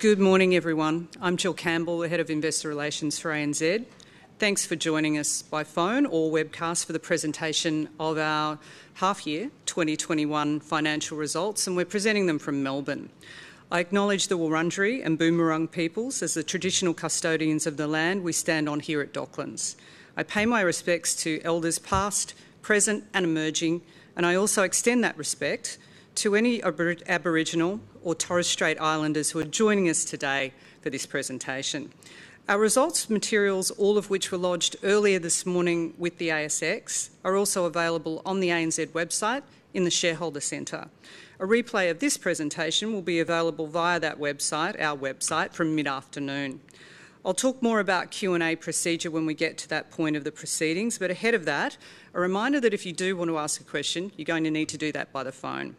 Good morning, everyone. I'm Jill Campbell, the Head of Investor Relations for ANZ. Thanks for joining us by phone or webcast for the presentation of our half year 2021 financial results, and we're presenting them from Melbourne. I acknowledge the Wurundjeri and Boonwurrung peoples as the traditional custodians of the land we stand on here at Docklands. I pay my respects to elders past, present, and emerging, and I also extend that respect to any Aboriginal or Torres Strait Islanders who are joining us today for this presentation. Our results materials, all of which were lodged earlier this morning with the ASX, are also available on the ANZ website in the shareholder center. A replay of this presentation will be available via that website, our website, from mid-afternoon. I'll talk more about Q&A procedure when we get to that point of the proceedings. Ahead of that, a reminder that if you do want to ask a question, you're going to need to do that by the phone.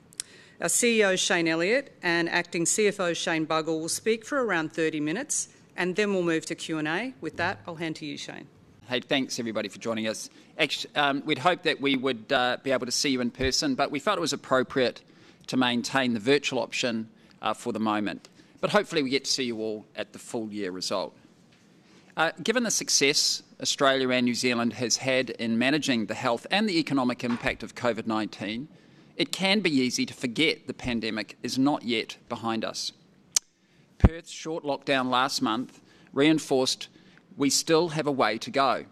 Our CEO, Shayne Elliott, and Acting CFO, Shane Buggle, will speak for around 30 minutes. Then we'll move to Q&A. With that, I'll hand to you, Shayne. Hey, thanks everybody for joining us. We'd hoped that we would be able to see you in person, but we felt it was appropriate to maintain the virtual option for the moment. Hopefully, we get to see you all at the full year result. Given the success Australia and New Zealand has had in managing the health and the economic impact of COVID-19, it can be easy to forget the pandemic is not yet behind us. Perth's short lockdown last month reinforced we still have a way to go.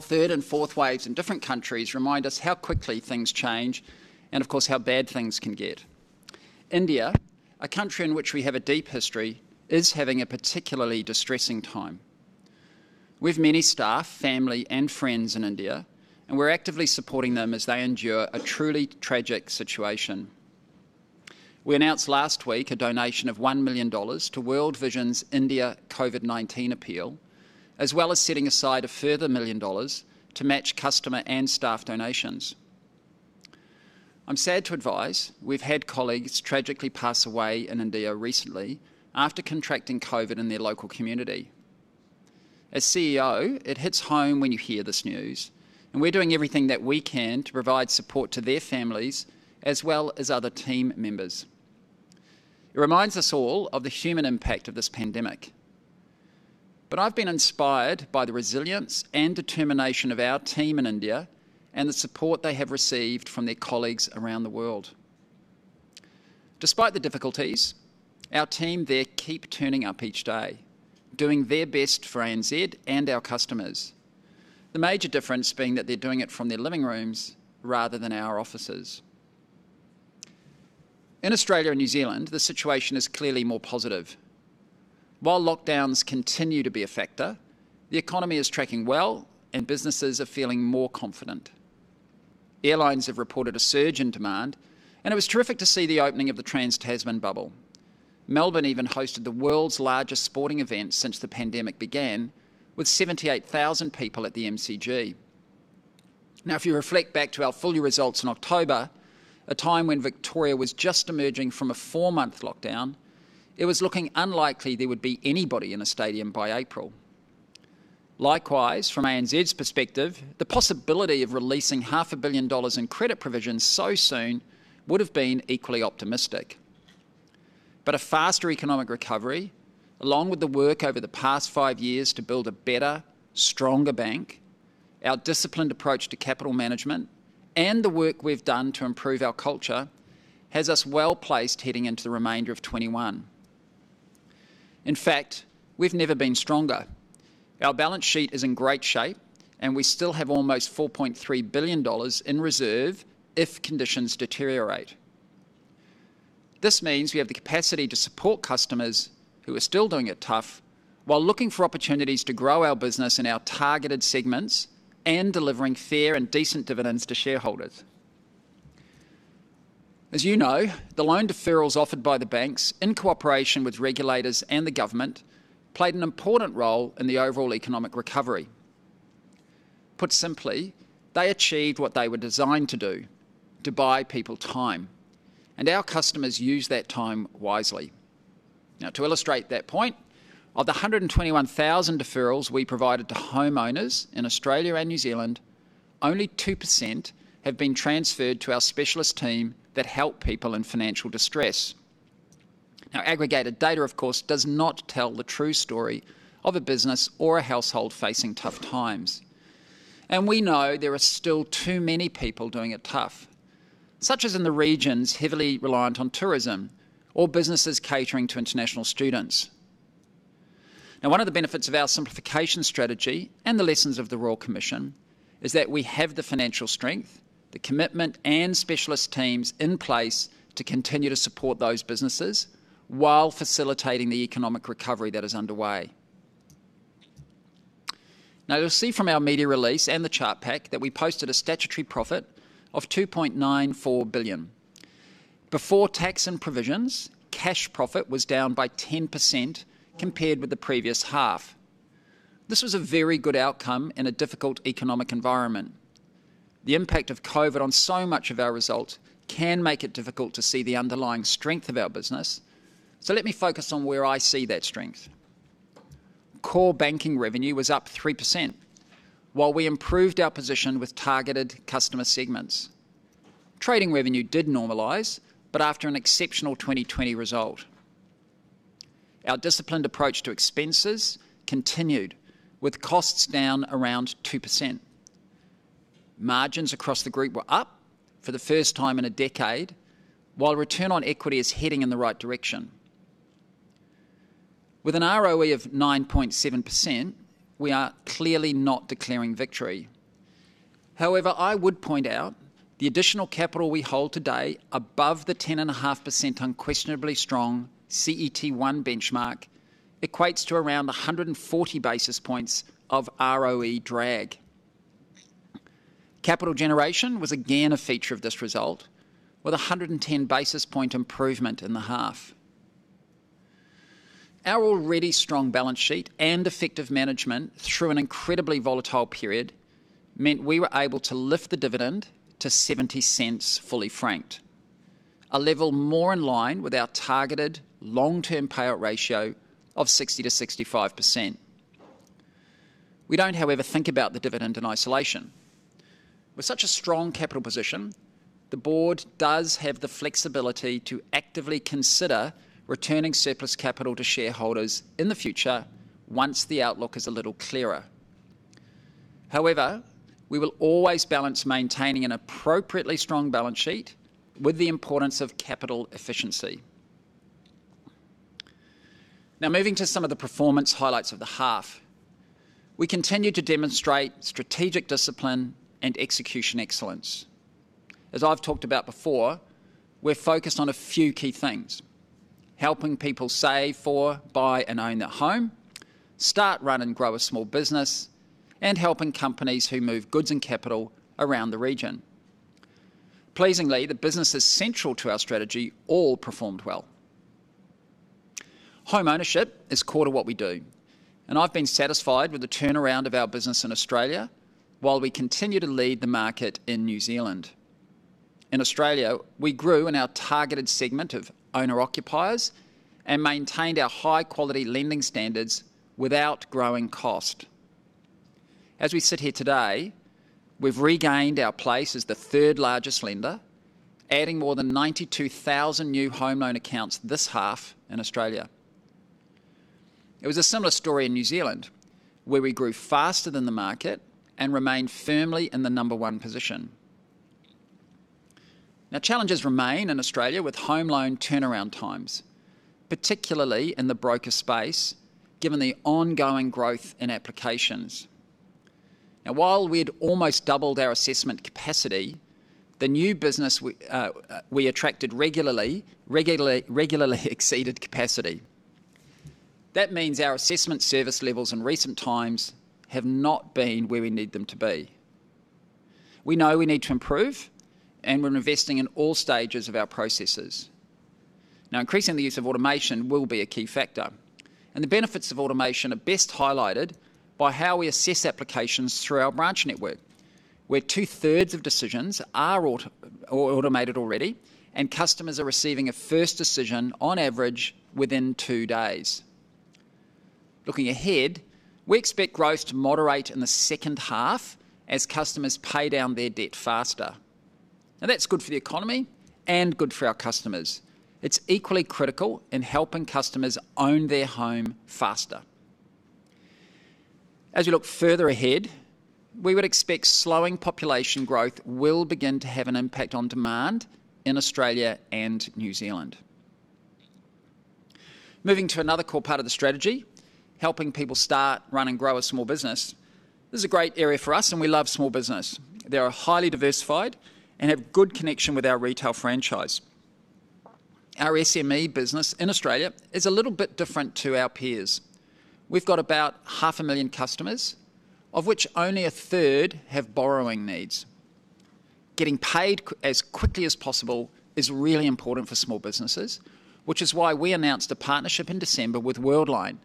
Third and fourth waves in different countries remind us how quickly things change and of course, how bad things can get. India, a country in which we have a deep history, is having a particularly distressing time. We have many staff, family, and friends in India, and we're actively supporting them as they endure a truly tragic situation. We announced last week a donation of 1 million dollars to World Vision's India COVID-19 appeal, as well as setting aside a further 1 million dollars to match customer and staff donations. I'm sad to advise we've had colleagues tragically pass away in India recently after contracting COVID in their local community. As CEO, it hits home when you hear this news, and we're doing everything that we can to provide support to their families as well as other team members. It reminds us all of the human impact of this pandemic. I've been inspired by the resilience and determination of our team in India and the support they have received from their colleagues around the world. Despite the difficulties, our team there keep turning up each day, doing their best for ANZ and our customers. The major difference being that they're doing it from their living rooms rather than our offices. In Australia and New Zealand, the situation is clearly more positive. While lockdowns continue to be a factor, the economy is tracking well, and businesses are feeling more confident. Airlines have reported a surge in demand, and it was terrific to see the opening of the Trans-Tasman bubble. Melbourne even hosted the world's largest sporting event since the pandemic began with 78,000 people at the MCG. Now, if you reflect back to our full year results in October, a time when Victoria was just emerging from a four-month lockdown, it was looking unlikely there would be anybody in a stadium by April. Likewise, from ANZ's perspective, the possibility of releasing 500 million dollars in credit provisions so soon would've been equally optimistic. A faster economic recovery, along with the work over the past five years to build a better, stronger bank, our disciplined approach to capital management, and the work we've done to improve our culture, has us well-placed heading into the remainder of 2021. In fact, we've never been stronger. Our balance sheet is in great shape, and we still have almost 4.3 billion dollars in reserve if conditions deteriorate. This means we have the capacity to support customers who are still doing it tough while looking for opportunities to grow our business in our targeted segments and delivering fair and decent dividends to shareholders. As you know, the loan deferrals offered by the banks in cooperation with regulators and the government played an important role in the overall economic recovery. Put simply, they achieved what they were designed to do, to buy people time, and our customers used that time wisely. To illustrate that point, of the 121,000 deferrals we provided to homeowners in Australia and New Zealand, only 2% have been transferred to our specialist team that help people in financial distress. Aggregated data, of course, does not tell the true story of a business or a household facing tough times. We know there are still too many people doing it tough, such as in the regions heavily reliant on tourism or businesses catering to international students. One of the benefits of our simplification strategy and the lessons of the Royal Commission is that we have the financial strength, the commitment, and specialist teams in place to continue to support those businesses while facilitating the economic recovery that is underway. You'll see from our media release and the chart pack that we posted a statutory profit of 2.94 billion. Before tax and provisions, cash profit was down by 10% compared with the previous half. This was a very good outcome in a difficult economic environment. The impact of COVID on so much of our results can make it difficult to see the underlying strength of our business. Let me focus on where I see that strength. Core banking revenue was up 3%, while we improved our position with targeted customer segments. Trading revenue did normalize after an exceptional 2020 result. Our disciplined approach to expenses continued, with costs down around 2%. Margins across the group were up for the first time in a decade, while return on equity is heading in the right direction. With an ROE of 9.7%, we are clearly not declaring victory. However, I would point out the additional capital we hold today above the 10.5% unquestionably strong CET1 benchmark equates to around 140 basis points of ROE drag. Capital generation was again a feature of this result, with 110-basis point improvement in the half. Our already strong balance sheet and effective management through an incredibly volatile period meant we were able to lift the dividend to 0.70 fully franked, a level more in line with our targeted long-term payout ratio of 60%-65%. We don't, however, think about the dividend in isolation. With such a strong capital position, the Board does have the flexibility to actively consider returning surplus capital to shareholders in the future once the outlook is a little clearer. However, we will always balance maintaining an appropriately strong balance sheet with the importance of capital efficiency. Moving to some of the performance highlights of the half. We continue to demonstrate strategic discipline and execution excellence. As I've talked about before, we're focused on a few key things, helping people save for, buy, and own their home, start, run, and grow a small business, and helping companies who move goods and capital around the region. Pleasingly, the business is central to our strategy all performed well. Home ownership is core to what we do, and I've been satisfied with the turnaround of our business in Australia, while we continue to lead the market in New Zealand. In Australia, we grew in our targeted segment of owner-occupiers and maintained our high-quality lending standards without growing cost. As we sit here today, we've regained our place as the third-largest lender, adding more than 92,000 new home loan accounts this half in Australia. It was a similar story in New Zealand, where we grew faster than the market and remained firmly in the number one position. Challenges remain in Australia with home loan turnaround times, particularly in the broker space, given the ongoing growth in applications. While we had almost doubled our assessment capacity, the new business we attracted regularly exceeded capacity. That means our assessment service levels in recent times have not been where we need them to be. We know we need to improve, and we're investing in all stages of our processes. Increasing the use of automation will be a key factor, and the benefits of automation are best highlighted by how we assess applications through our branch network, where 2/3 of decisions are automated already, and customers are receiving a first decision on average within two days. Looking ahead, we expect growth to moderate in the second half as customers pay down their debt faster. That's good for the economy and good for our customers. It's equally critical in helping customers own their home faster. As we look further ahead, we would expect slowing population growth will begin to have an impact on demand in Australia and New Zealand. Moving to another core part of the strategy, helping people start, run, and grow a small business. This is a great area for us, we love small business. They are highly diversified and have good connection with our retail franchise. Our SME business in Australia is a little bit different to our peers. We've got about 500,000 customers, of which only a third have borrowing needs. Getting paid as quickly as possible is really important for small businesses, which is why we announced a partnership in December with Worldline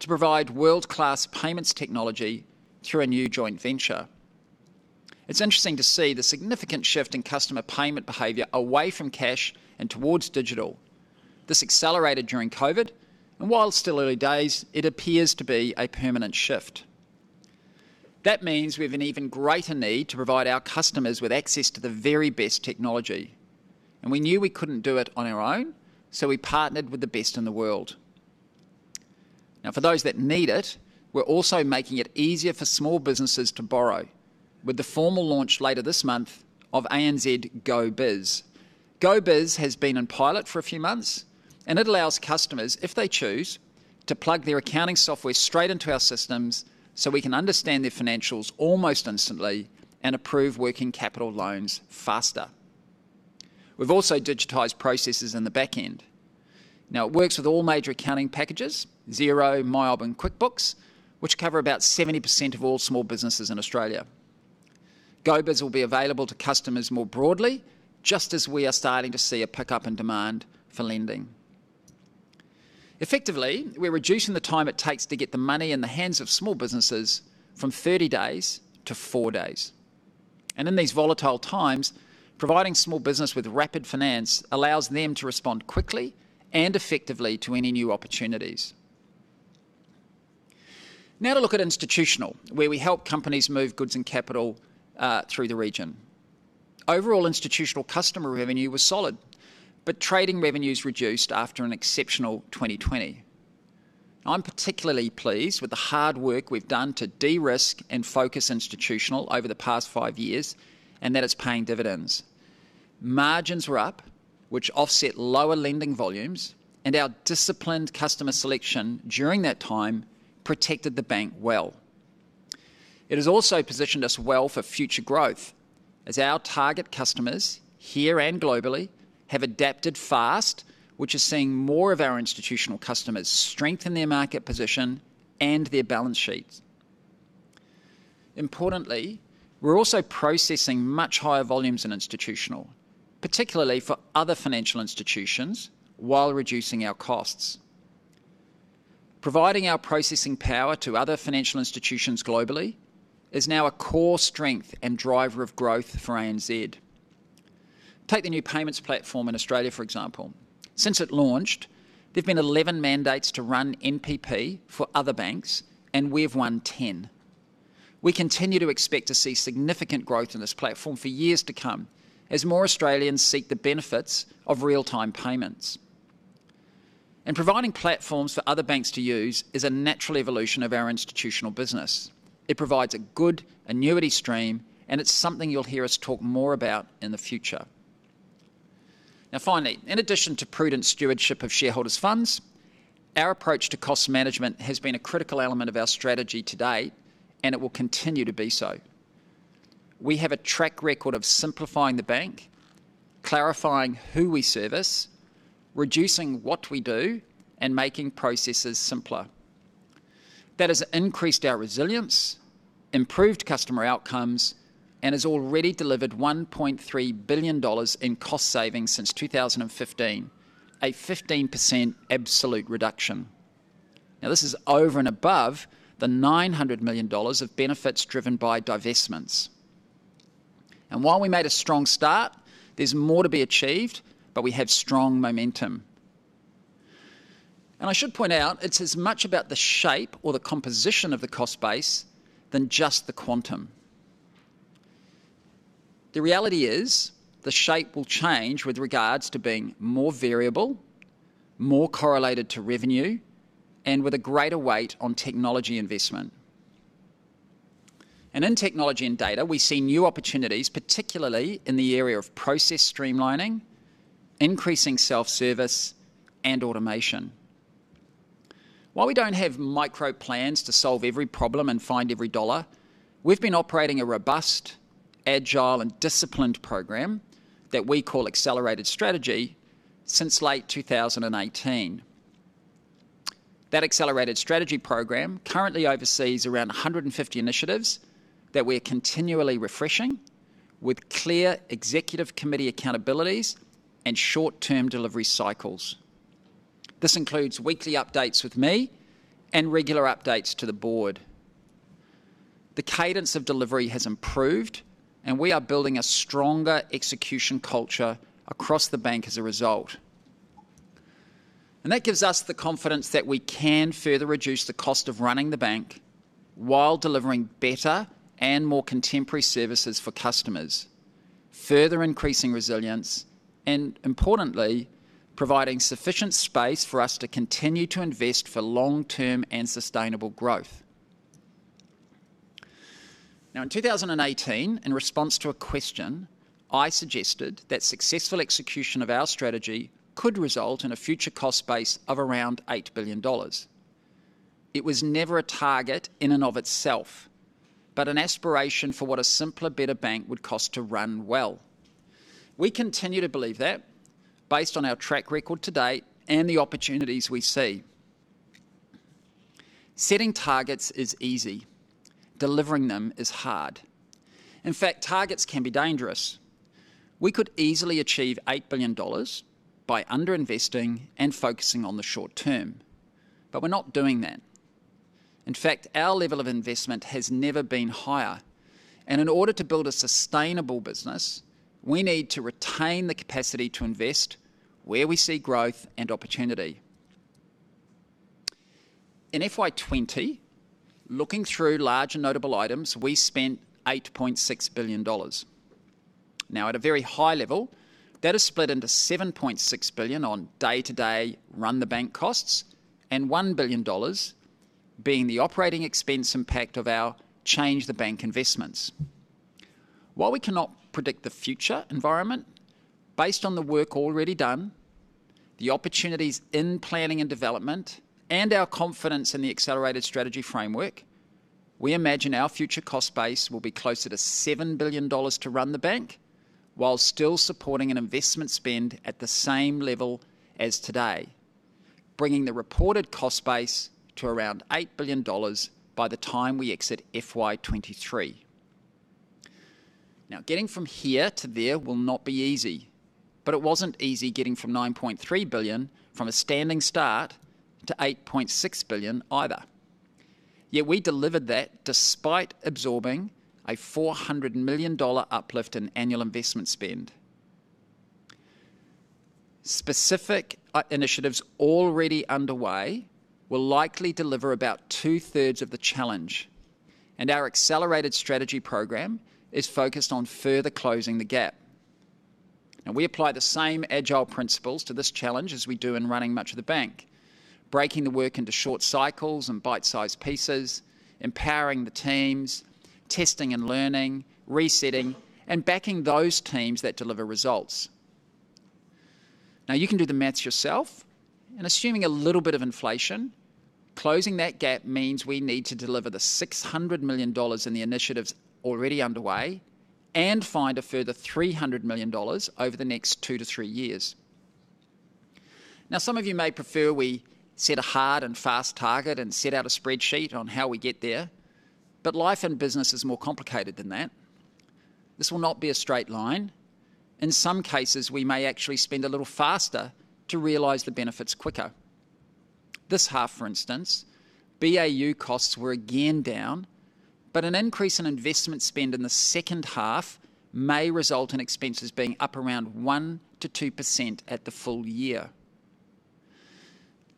to provide world-class payments technology through a new joint venture. It's interesting to see the significant shift in customer payment behavior away from cash and towards digital. This accelerated during COVID, and while it's still early days, it appears to be a permanent shift. That means we have an even greater need to provide our customers with access to the very best technology, and we knew we couldn't do it on our own, so we partnered with the best in the world. Now, for those that need it, we're also making it easier for small businesses to borrow with the formal launch later this month of ANZ goBiz. GoBiz has been in pilot for a few months, it allows customers, if they choose, to plug their accounting software straight into our systems so we can understand their financials almost instantly and approve working capital loans faster. We've also digitized processes in the back end. It works with all major accounting packages, Xero, MYOB, and QuickBooks, which cover about 70% of all small businesses in Australia. GoBiz will be available to customers more broadly, just as we are starting to see a pickup in demand for lending. Effectively, we're reducing the time it takes to get the money in the hands of small businesses from 30 days to four days. In these volatile times, providing small business with rapid finance allows them to respond quickly and effectively to any new opportunities. Now to look at institutional, where we help companies move goods and capital through the region. Overall institutional customer revenue was solid, but trading revenues reduced after an exceptional 2020. I'm particularly pleased with the hard work we've done to de-risk and focus institutional over the past five years, and that it's paying dividends. Margins were up, which offset lower lending volumes, and our disciplined customer selection during that time protected the bank well. It has also positioned us well for future growth as our target customers, here and globally, have adapted fast, which is seeing more of our institutional customers strengthen their market position and their balance sheets. Importantly, we're also processing much higher volumes in institutional, particularly for other financial institutions, while reducing our costs. Providing our processing power to other financial institutions globally is now a core strength and driver of growth for ANZ. Take the New Payments Platform in Australia, for example. Since it launched, there've been 11 mandates to run NPP for other banks, and we've won 10. We continue to expect to see significant growth in this platform for years to come as more Australians seek the benefits of real-time payments. Providing platforms for other banks to use is a natural evolution of our institutional business. It provides a good annuity stream, and it's something you'll hear us talk more about in the future. Finally, in addition to prudent stewardship of shareholders' funds, our approach to cost management has been a critical element of our strategy to date, and it will continue to be so. We have a track record of simplifying the bank, clarifying who we service, reducing what we do, and making processes simpler. That has increased our resilience, improved customer outcomes, and has already delivered 1.3 billion dollars in cost savings since 2015, a 15% absolute reduction. Now, this is over and above the 900 million dollars of benefits driven by divestments. While we made a strong start, there's more to be achieved, but we have strong momentum. I should point out, it's as much about the shape or the composition of the cost base than just the quantum. The reality is the shape will change with regards to being more variable, more correlated to revenue, and with a greater weight on technology investment. In technology and data, we see new opportunities, particularly in the area of process streamlining, increasing self-service, and automation. While we don't have micro plans to solve every problem and find every dollar, we've been operating a robust, agile, and disciplined program that we call Accelerated Strategy since late 2018. That Accelerated Strategy program currently oversees around 150 initiatives that we're continually refreshing with clear executive committee accountabilities and short-term delivery cycles. This includes weekly updates with me and regular updates to the board. The cadence of delivery has improved, and we are building a stronger execution culture across the bank as a result. That gives us the confidence that we can further reduce the cost of running the bank while delivering better and more contemporary services for customers, further increasing resilience, and importantly, providing sufficient space for us to continue to invest for long-term and sustainable growth. In 2018, in response to a question, I suggested that successful execution of our strategy could result in a future cost base of around 8 billion dollars. It was never a target in and of itself, but an aspiration for what a simpler, better bank would cost to run well. We continue to believe that based on our track record to date and the opportunities we see. Setting targets is easy. Delivering them is hard. In fact, targets can be dangerous. We could easily achieve 8 billion dollars by under-investing and focusing on the short term, but we're not doing that. In fact, our level of investment has never been higher, and in order to build a sustainable business, we need to retain the capacity to invest where we see growth and opportunity. In FY 2020, looking through large and notable items, we spent 8.6 billion dollars. At a very high level, that is split into 7.6 billion on day-to-day run-the-bank costs, and 1 billion dollars being the operating expense impact of our change-the-bank investments. While we cannot predict the future environment, based on the work already done, the opportunities in planning and development, and our confidence in the Accelerated Strategy framework, we imagine our future cost base will be closer to 7 billion dollars to run the bank while still supporting an investment spend at the same level as today, bringing the reported cost base to around 8 billion dollars by the time we exit FY 2023. Getting from here to there will not be easy, but it wasn't easy getting from 9.3 billion from a standing start to 8.6 billion either. Yet we delivered that despite absorbing a 400 million dollar uplift in annual investment spend. Specific initiatives already underway will likely deliver about 2/3 of the challenge, and our Accelerated Strategy program is focused on further closing the gap. We apply the same agile principles to this challenge as we do in running much of the bank, breaking the work into short cycles and bite-size pieces, empowering the teams, testing and learning, resetting, and backing those teams that deliver results. You can do the math yourself, and assuming a little bit of inflation, closing that gap means we need to deliver the 600 million dollars in the initiatives already underway and find a further 300 million dollars over the next 2-3 years. Some of you may prefer we set a hard and fast target and set out a spreadsheet on how we get there, but life and business is more complicated than that. This will not be a straight line. In some cases, we may actually spend a little faster to realize the benefits quicker. This half, for instance, BAU costs were again down. An increase in investment spend in the second half may result in expenses being up around 1%-2% at the full year.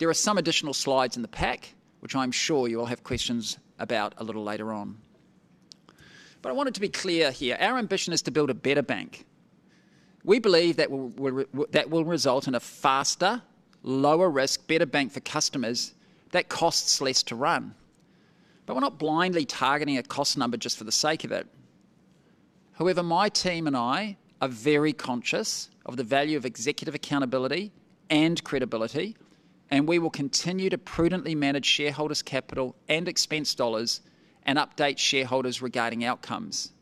There are some additional slides in the pack, which I'm sure you will have questions about a little later on. I want it to be clear here, our ambition is to build a better bank. We believe that will result in a faster, lower risk, better bank for customers that costs less to run. We're not blindly targeting a cost number just for the sake of it. However, my team and I are very conscious of the value of executive accountability and credibility, and we will continue to prudently manage shareholders' capital and expense dollars and update shareholders regarding outcomes.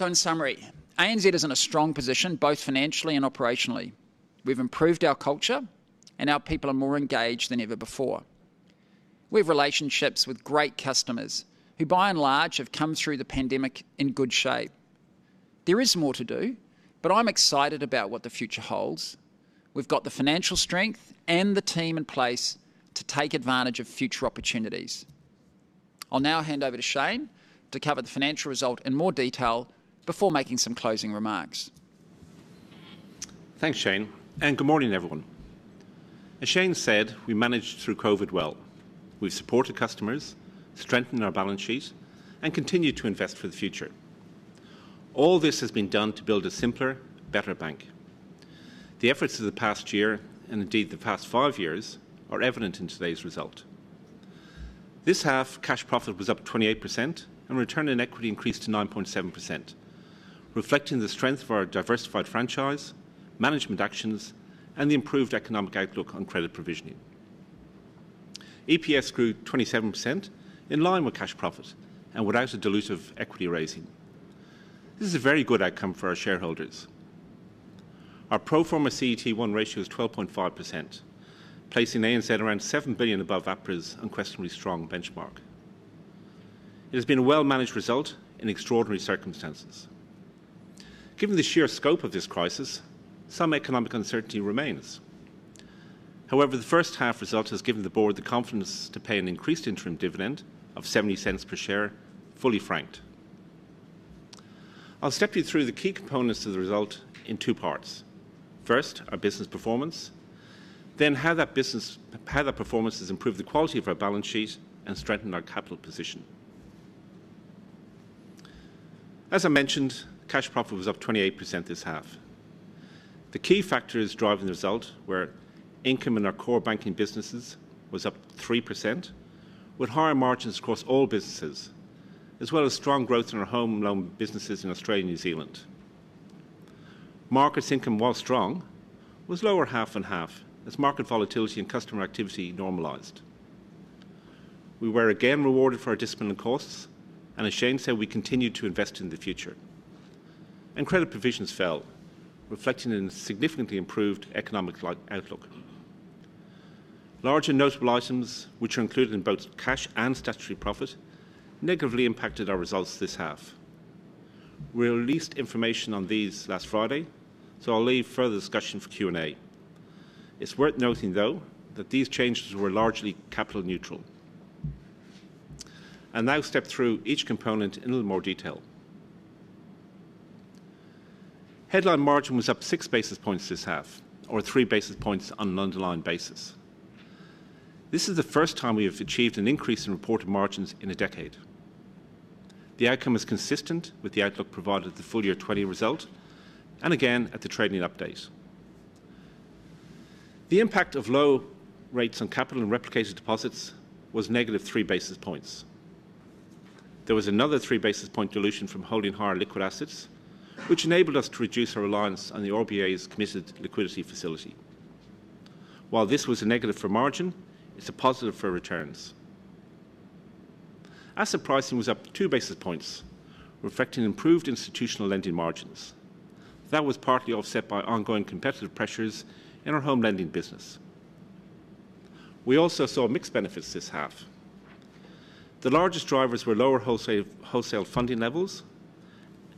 In summary, ANZ is in a strong position both financially and operationally. We've improved our culture, and our people are more engaged than ever before. We have relationships with great customers who, by and large, have come through the pandemic in good shape. There is more to do, but I'm excited about what the future holds. We've got the financial strength and the team in place to take advantage of future opportunities. I'll now hand over to Shane to cover the financial result in more detail before making some closing remarks. Thanks, Shayne, and good morning, everyone. As Shayne said, we managed through COVID well. We've supported customers, strengthened our balance sheet, and continued to invest for the future. All this has been done to build a simpler, better bank. The efforts of the past year, and indeed the past five years, are evident in today's result. This half, cash profit was up 28%, and return on equity increased to 9.7%, reflecting the strength of our diversified franchise, management actions, and the improved economic outlook on credit provisioning. EPS grew 27%, in line with cash profit and without a dilutive equity raising. This is a very good outcome for our shareholders. Our pro forma CET1 ratio is 12.5%, placing ANZ around 7 billion above APRA's unquestionably strong benchmark. It has been a well-managed result in extraordinary circumstances. Given the sheer scope of this crisis, some economic uncertainty remains. However, the first half result has given the Board the confidence to pay an increased interim dividend of 0.70 per share, fully franked. I'll step you through the key components of the result in two parts. First, our business performance. Then how that performance has improved the quality of our balance sheet and strengthened our capital position. As I mentioned, cash profit was up 28% this half. The key factors driving the result were income in our core banking businesses was up 3%, with higher margins across all businesses, as well as strong growth in our home loan businesses in Australia and New Zealand. Markets income, while strong, was lower half on half as market volatility and customer activity normalized. We were again rewarded for our discipline in costs, and as Shayne said, we continued to invest in the future. Credit provisions fell, reflecting a significantly improved economic outlook. Large and notable items, which are included in both cash and statutory profit, negatively impacted our results this half. We released information on these last Friday, I'll leave further discussion for Q&A. It's worth noting, though, that these changes were largely capital neutral. I'll now step through each component in a little more detail. Headline margin was up 6 basis points this half or 3 basis points on an underlying basis. This is the first time we have achieved an increase in reported margins in a decade. The outcome is consistent with the outlook provided at the full-year 2020 result and again at the trading update. The impact of low rates on capital and replicating deposits was -3 basis points. There was another three basis point dilution from holding higher liquid assets, which enabled us to reduce our reliance on the RBA's Committed Liquidity Facility. While this was a negative for margin, it's a positive for returns. Asset pricing was up 2 basis points, reflecting improved institutional lending margins. That was partly offset by ongoing competitive pressures in our home lending business. We also saw mixed benefits this half. The largest drivers were lower wholesale funding levels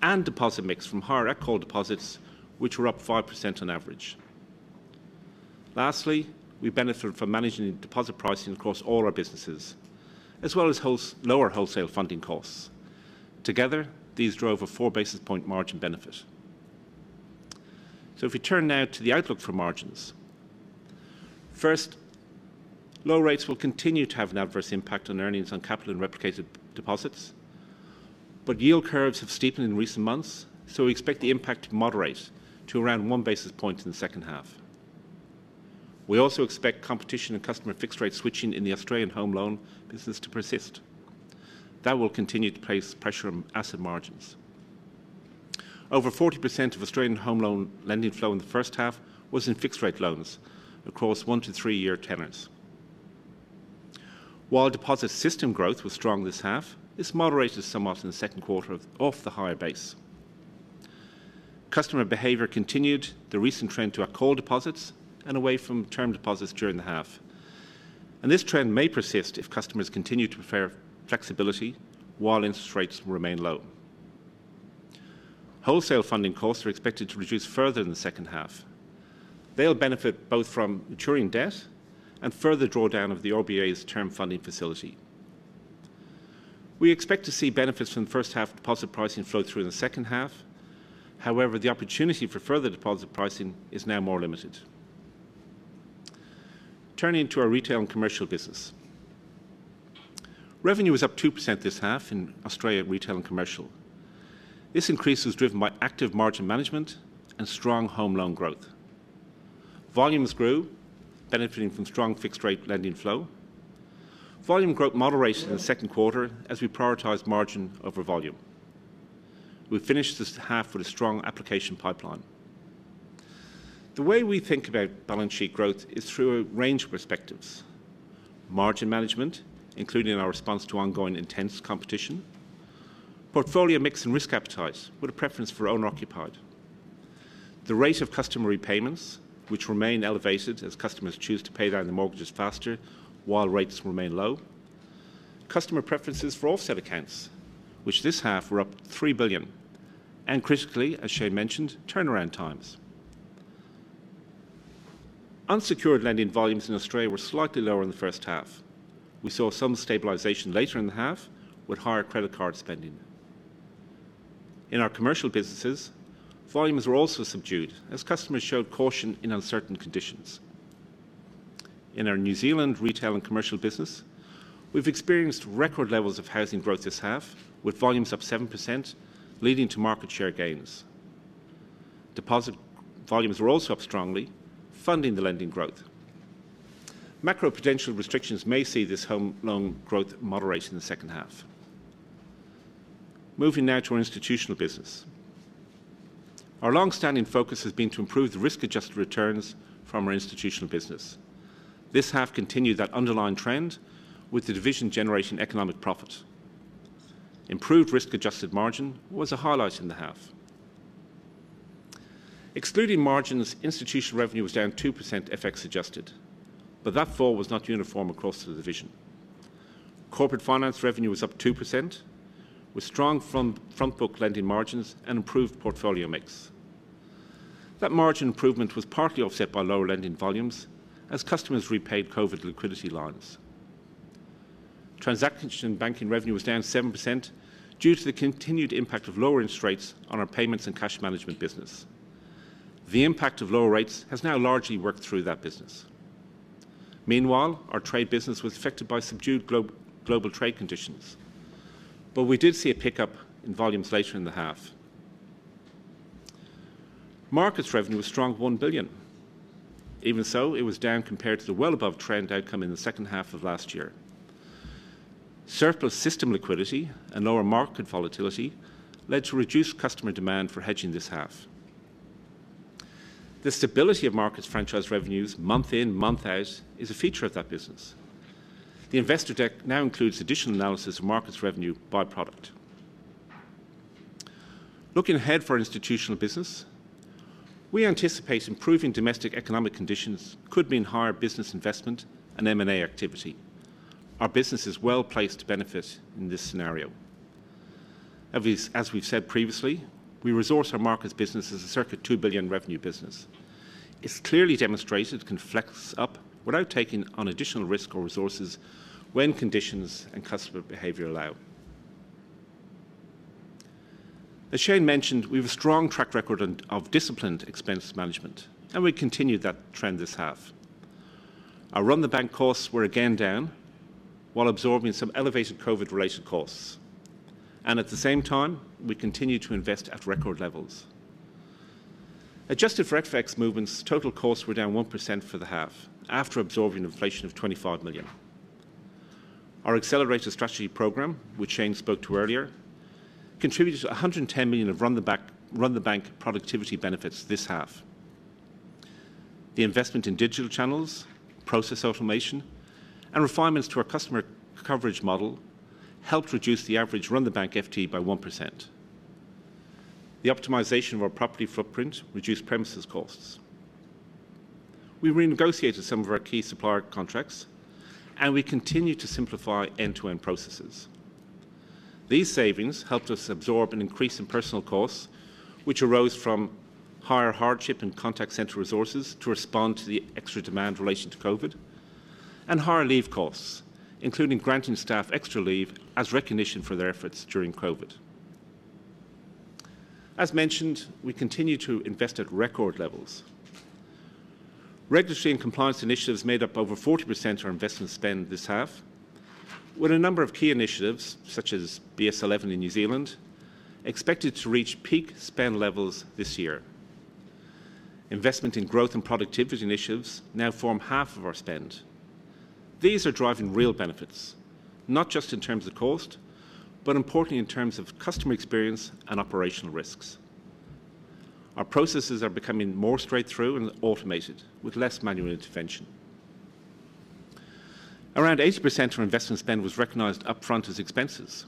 and deposit mix from higher at-call deposits, which were up 5% on average. Lastly, we benefited from managing deposit pricing across all our businesses, as well as lower wholesale funding costs. Together, these drove a 4-basis point margin benefit. If we turn now to the outlook for margins, first, low rates will continue to have an adverse impact on earnings on capital and replicated deposits. Yield curves have steepened in recent months, so we expect the impact to moderate to around 1 basis point in the second half. We also expect competition and customer fixed-rate switching in the Australian home loan business to persist. That will continue to place pressure on asset margins. Over 40% of Australian home loan lending flow in the first half was in fixed-rate loans across 1-3 year tenors. While deposit system growth was strong this half, this moderated somewhat in the second quarter off the higher base. Customer behavior continued the recent trend to at-call deposits and away from term deposits during the half. This trend may persist if customers continue to prefer flexibility while interest rates remain low. Wholesale funding costs are expected to reduce further in the second half. They'll benefit both from maturing debt and further drawdown of the RBA's Term Funding Facility. We expect to see benefits from first-half deposit pricing flow through in the second half. However, the opportunity for further deposit pricing is now more limited. Turning to our Retail and Commercial business. Revenue was up 2% this half in Australia Retail and Commercial. This increase was driven by active margin management and strong home loan growth. Volumes grew, benefiting from strong fixed-rate lending flow. Volume growth moderated in the second quarter as we prioritized margin over volume. We finished this half with a strong application pipeline. The way we think about balance sheet growth is through a range of perspectives. Margin management, including our response to ongoing intense competition. Portfolio mix and risk appetite with a preference for owner-occupied. The rate of customer repayments, which remain elevated as customers choose to pay down their mortgages faster while rates remain low. Customer preferences for offset accounts, which this half were up 3 billion. Critically, as Shayne mentioned, turnaround times. Unsecured lending volumes in Australia were slightly lower in the first half. We saw some stabilization later in the half with higher credit card spending. In our commercial businesses, volumes were also subdued as customers showed caution in uncertain conditions. In our New Zealand retail and commercial business, we've experienced record levels of housing growth this half, with volumes up 7%, leading to market share gains. Deposit volumes were also up strongly, funding the lending growth. Macro-prudential restrictions may see this home loan growth moderate in the second half. Moving now to our Institutional business. Our longstanding focus has been to improve the risk-adjusted returns from our Institutional business. This half continued that underlying trend with the division generating economic profit. Improved risk-adjusted margin was a highlight in the half. Excluding margins, Institutional revenue was down 2%, FX adjusted. That fall was not uniform across the division. Corporate finance revenue was up 2%, with strong front-book lending margins and improved portfolio mix. That margin improvement was partly offset by lower lending volumes as customers repaid COVID liquidity loans. Transaction banking revenue was down 7% due to the continued impact of lower interest rates on our payments and cash management business. The impact of lower rates has now largely worked through that business. Meanwhile, our Trade business was affected by subdued global trade conditions, but we did see a pickup in volumes later in the half. Markets revenue was a strong 1 billion. Even so, it was down compared to the well above trend outcome in the second half of last year. Surplus system liquidity and lower market volatility led to reduced customer demand for hedging this half. The stability of markets franchise revenues month in, month out, is a feature of that business. The investor deck now includes additional analysis of markets revenue by product. Looking ahead for institutional business, we anticipate improving domestic economic conditions could mean higher business investment and M&A activity. Our business is well-placed to benefit in this scenario. As we've said previously, we resource our markets business as a circa 2 billion revenue business. It's clearly demonstrated it can flex up without taking on additional risk or resources when conditions and customer behavior allow. As Shayne mentioned, we have a strong track record of disciplined expense management, and we continued that trend this half. Our run-the-bank costs were again down while absorbing some elevated COVID-related costs. At the same time, we continued to invest at record levels. Adjusted for FX movements, total costs were down 1% for the half after absorbing inflation of 25 million. Our Accelerated Strategy program, which Shayne spoke to earlier, contributed to 110 million of run-the-bank-productivity benefits this half. The investment in digital channels, process automation, and refinements to our customer coverage model helped reduce the average run-the-bank FTE by 1%. The optimization of our property footprint reduced premises costs. We renegotiated some of our key supplier contracts, we continued to simplify end-to-end processes. These savings helped us absorb an increase in personal costs, which arose from higher hardship and contact center resources to respond to the extra demand in relation to COVID, and higher leave costs, including granting staff extra leave as recognition for their efforts during COVID. As mentioned, we continue to invest at record levels. Regulatory and compliance initiatives made up over 40% of our investment spend this half, with a number of key initiatives, such as BS11 in New Zealand, expected to reach peak spend levels this year. Investment in growth and productivity initiatives now form half of our spend. These are driving real benefits, not just in terms of cost, but importantly in terms of customer experience and operational risks. Our processes are becoming more straight through and automated, with less manual intervention. Around 80% of our investment spend was recognized upfront as expenses.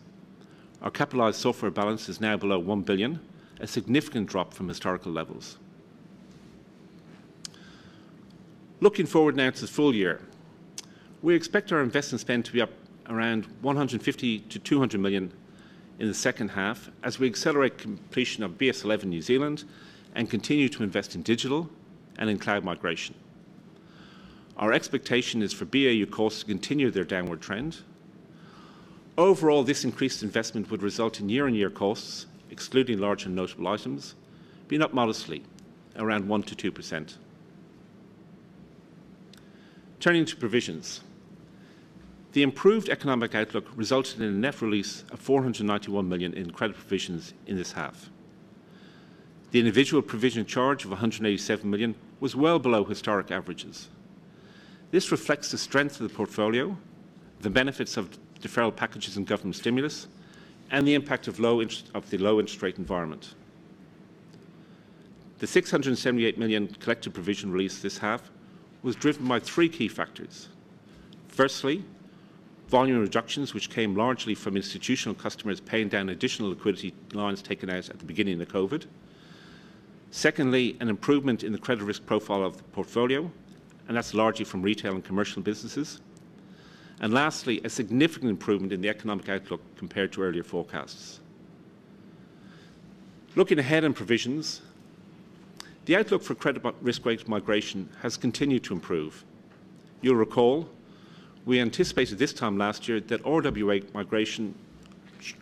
Our capitalized software balance is now below 1 billion, a significant drop from historical levels. Looking forward now to the full year, we expect our investment spend to be up around 150 million-200 million in the second half as we accelerate completion of BS11 New Zealand and continue to invest in digital and in cloud migration. Our expectation is for BAU costs to continue their downward trend. Overall, this increased investment would result in year-on-year costs, excluding large and notable items, being up modestly, around 1%-2%. Turning to provisions. The improved economic outlook resulted in a net release of 491 million in credit provisions in this half. The individual provision charge of 187 million was well below historic averages. This reflects the strength of the portfolio, the benefits of deferral packages and government stimulus, and the impact of the low interest rate environment. The 678 million collective provision release this half was driven by three key factors. Firstly, volume reductions, which came largely from institutional customers paying down additional liquidity loans taken out at the beginning of the COVID. Secondly, an improvement in the credit risk profile of the portfolio, and that's largely from Retail and Commercial businesses. Lastly, a significant improvement in the economic outlook compared to earlier forecasts. Looking ahead in provisions, the outlook for credit risk weight migration has continued to improve. You'll recall, we anticipated this time last year that RWA migration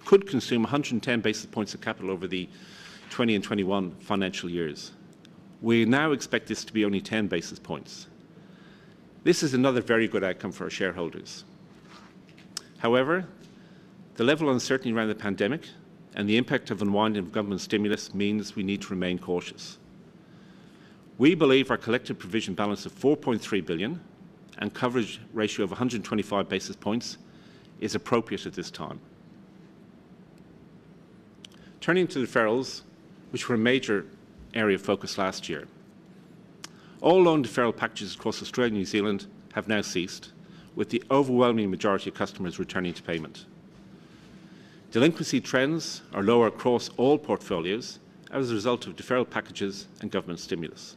could consume 110 basis points of capital over the 2020 and 2021 financial years. We now expect this to be only 10 basis points. This is another very good outcome for our shareholders. However, the level of uncertainty around the pandemic and the impact of unwinding of government stimulus means we need to remain cautious. We believe our collective provision balance of 4.3 billion and coverage ratio of 125 basis points is appropriate at this time. Turning to deferrals, which were a major area of focus last year. All loan deferral packages across Australia and New Zealand have now ceased, with the overwhelming majority of customers returning to payment. Delinquency trends are lower across all portfolios as a result of deferral packages and government stimulus.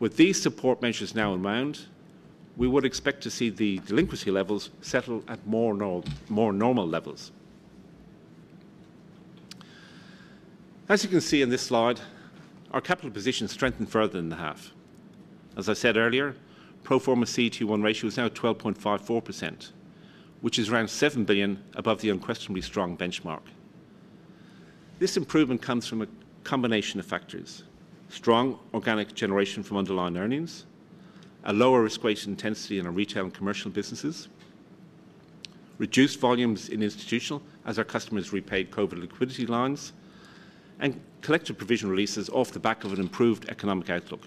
With these support measures now unwound, we would expect to see the delinquency levels settle at more normal levels. As you can see in this slide, our capital position strengthened further in the half. As I said earlier, pro forma CET1 ratio is now 12.54%, which is around 7 billion above the unquestionably strong benchmark. This improvement comes from a combination of factors. Strong organic generation from underlying earnings, a lower risk weight intensity in our Retail and Commercial businesses, reduced volumes in institutional as our customers repaid COVID liquidity loans, and collective provision releases off the back of an improved economic outlook.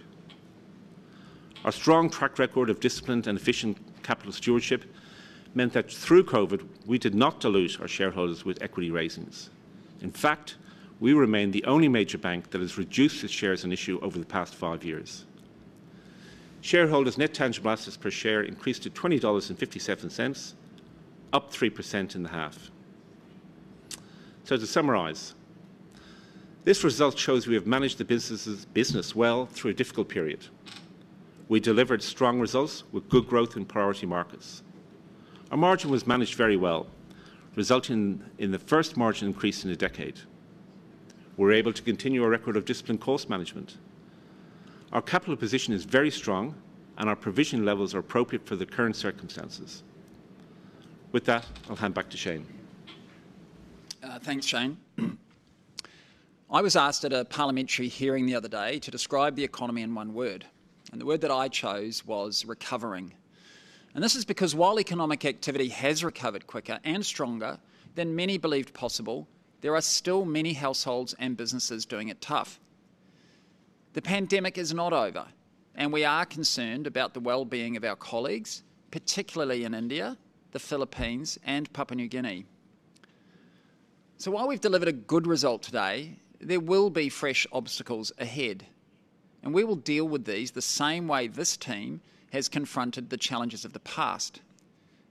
Our strong track record of disciplined and efficient capital stewardship meant that through COVID, we did not dilute our shareholders with equity raisings. In fact, we remain the only major bank that has reduced its shares in issue over the past five years. Shareholders' net tangible assets per share increased to 20.57 dollars, up 3% in the half. To summarize, this result shows we have managed the business well through a difficult period. We delivered strong results with good growth in priority markets. Our margin was managed very well, resulting in the first margin increase in a decade. We were able to continue our record of disciplined cost management. Our capital position is very strong, and our provision levels are appropriate for the current circumstances. With that, I'll hand back to Shayne. Thanks, Shane. I was asked at a parliamentary hearing the other day to describe the economy in one word, the word that I chose was recovering. This is because while economic activity has recovered quicker and stronger than many believed possible, there are still many households and businesses doing it tough. The pandemic is not over, we are concerned about the well-being of our colleagues, particularly in India, the Philippines, and Papua New Guinea. While we've delivered a good result today, there will be fresh obstacles ahead. We will deal with these the same way this team has confronted the challenges of the past.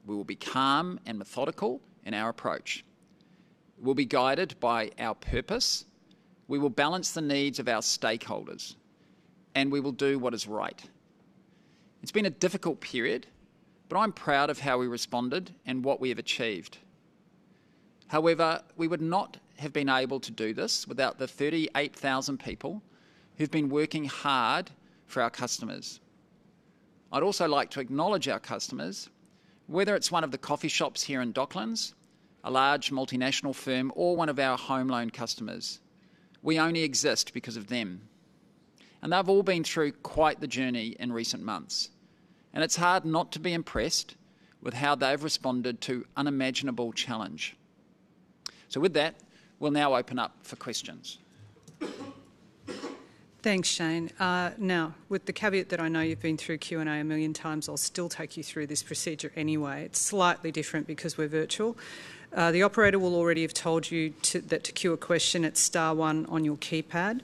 We will be calm and methodical in our approach. We'll be guided by our purpose, we will balance the needs of our stakeholders, we will do what is right. It's been a difficult period, but I'm proud of how we responded and what we have achieved. We would not have been able to do this without the 38,000 people who've been working hard for our customers. I'd also like to acknowledge our customers, whether it's one of the coffee shops here in Docklands, a large multinational firm, or one of our home loan customers. We only exist because of them. They've all been through quite the journey in recent months, and it's hard not to be impressed with how they've responded to unimaginable challenge. With that, we'll now open up for questions. Thanks, Shayne. With the caveat that I know you've been through Q&A a million times, I'll still take you through this procedure anyway. It's slightly different because we're virtual. The operator will already have told you that to queue a question, it's star one on your keypad.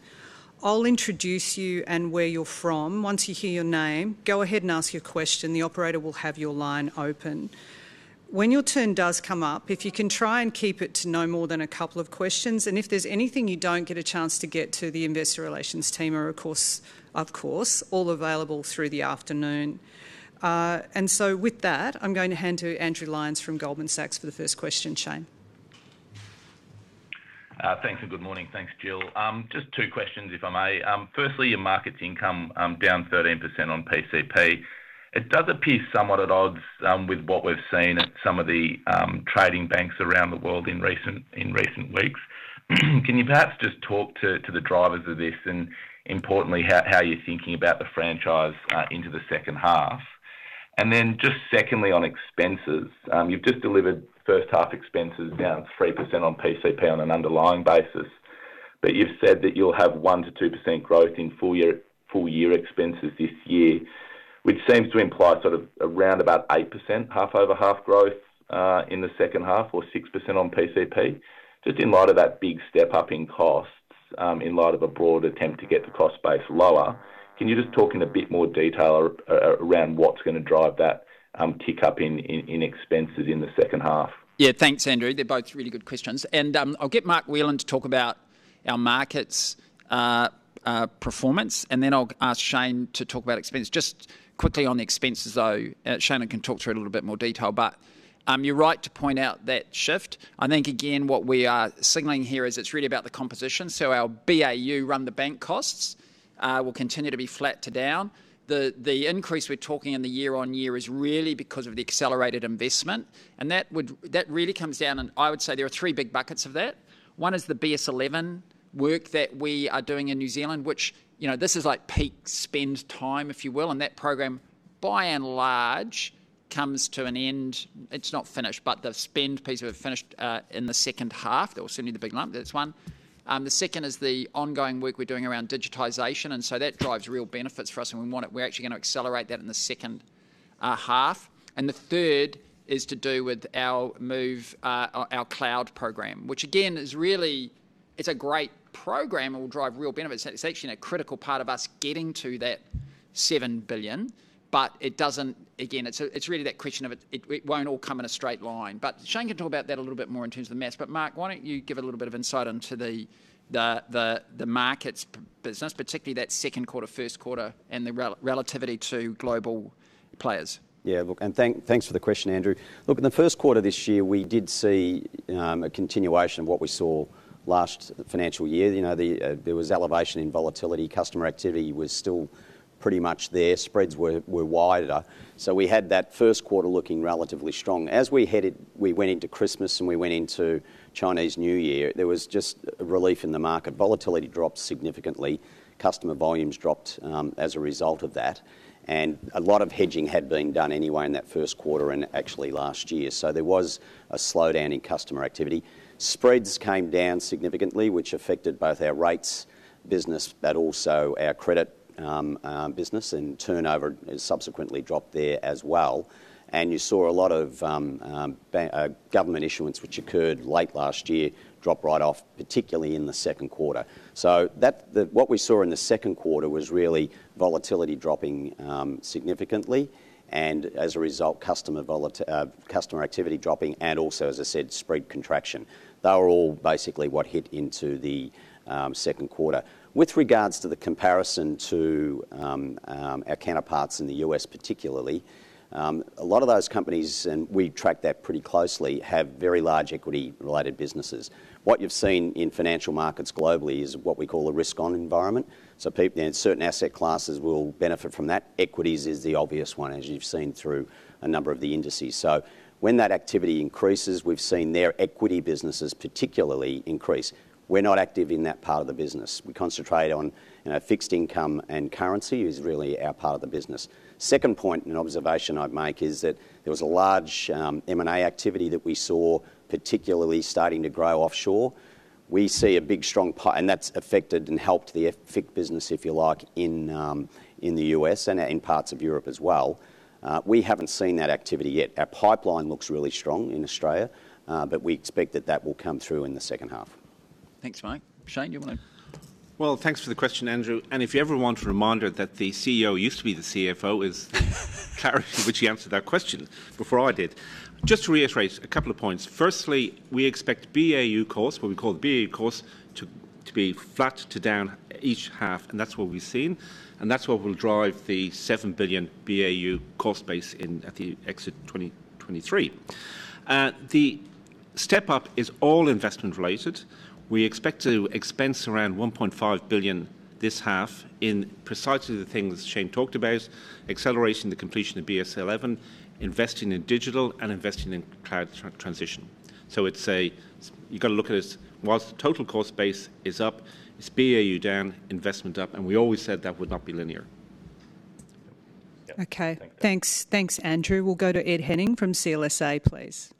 I'll introduce you and where you're from. Once you hear your name, go ahead and ask your question. The operator will have your line open. When your turn does come up, if you can try and keep it to no more than a couple of questions, and if there's anything you don't get a chance to get to, the investor relations team are, of course, all available through the afternoon. With that, I'm going to hand to Andrew Lyons from Goldman Sachs for the first question, Shayne. Thanks, good morning. Thanks, Jill. Just two questions, if I may. Firstly, your markets income down 13% on PCP. It does appear somewhat at odds with what we've seen at some of the trading banks around the world in recent weeks. Can you perhaps just talk to the drivers of this and importantly, how you're thinking about the franchise into the second half? Just secondly, on expenses. You've just delivered first half expenses down 3% on PCP on an underlying basis. You've said that you'll have 1%-2% growth in full year expenses this year, which seems to imply sort of around about 8% half-over-half growth, in the second half or 6% on PCP. Just in light of that big step-up in costs, in light of a broad attempt to get the cost base lower, can you just talk in a bit more detail around what's going to drive that tick-up in expenses in the second half? Yeah, thanks, Andrew. They are both really good questions. I'll get Mark Whelan to talk about our markets performance, and then I'll ask Shane to talk about expense. Just quickly on the expenses, though, Shane can talk through it in a little bit more detail, but you're right to point out that shift. I think, again, what we are signaling here is it's really about the composition. Our BAU run-the-bank costs will continue to be flat to down. The increase we're talking in the year-on-year is really because of the accelerated investment, and that really comes down and I would say there are three big buckets of that. One is the BS11 work that we are doing in New Zealand, which this is like peak spend time, if you will, and that program by and large, comes to an end. It's not finished, but the spend piece of it finished in the second half. That was certainly the big lump. That's one. The second is the ongoing work we're doing around digitization, that drives real benefits for us, and we're actually going to accelerate that in the second half. The third is to do with our cloud program, which again, it's a great program and will drive real benefits. It's actually in a critical part of us getting to that 7 billion, it's really that question of it won't all come in a straight line. Shane can talk about that a little bit more in terms of the maths. Mark, why don't you give it a little bit of insight into the markets business, particularly that second quarter, first quarter and the relativity to global players. Thanks for the question, Andrew. In the first quarter this year, we did see a continuation of what we saw last financial year. There was elevation in volatility. Customer activity was still pretty much there. Spreads were wider. We had that first quarter looking relatively strong. As we went into Christmas, we went into Chinese New Year, there was just a relief in the market. Volatility dropped significantly. Customer volumes dropped as a result of that, a lot of hedging had been done anyway in that first quarter and actually last year. There was a slowdown in customer activity. Spreads came down significantly, which affected both our rates business, also our credit business, turnover has subsequently dropped there as well. You saw a lot of government issuance, which occurred late last year, drop right off, particularly in the second quarter. What we saw in the second quarter was really volatility dropping significantly and as a result, customer activity dropping, and also, as I said, spread contraction. They were all basically what hit into the second quarter. With regards to the comparison to our counterparts in the U.S. particularly, a lot of those companies, and we track that pretty closely, have very large equity-related businesses. What you've seen in financial markets globally is what we call a risk-on environment, so certain asset classes will benefit from that. Equities is the obvious one, as you've seen through a number of the indices. When that activity increases, we've seen their equity businesses particularly increase. We're not active in that part of the business. We concentrate on fixed income, currency is really our part of the business. Second point and observation I'd make is that there was a large M&A activity that we saw, particularly starting to grow offshore. That's affected and helped the FICC business, if you like, in the U.S. and in parts of Europe as well. We haven't seen that activity yet. Our pipeline looks really strong in Australia, we expect that that will come through in the second half. Thanks, Mark. Shane, do you want to. Well, thanks for the question, Andrew. If you ever want a reminder that the CEO used to be the CFO is clarity with which he answered that question before I did. Just to reiterate a couple of points. We expect BAU costs, what we call the BAU costs, to be flat to down each half, and that's what we've seen, and that's what will drive the 7 billion BAU cost base at the exit of 2023. The step-up is all investment related. We expect to expense around 1.5 billion this half in precisely the things Shayne talked about, accelerating the completion of BS11, investing in digital and investing in cloud transition. You've got to look at it as, whilst the total cost base is up, it's BAU down, investment up, and we always said that would not be linear. Okay. Thanks, Andrew. We'll go to Ed Henning from CLSA, please.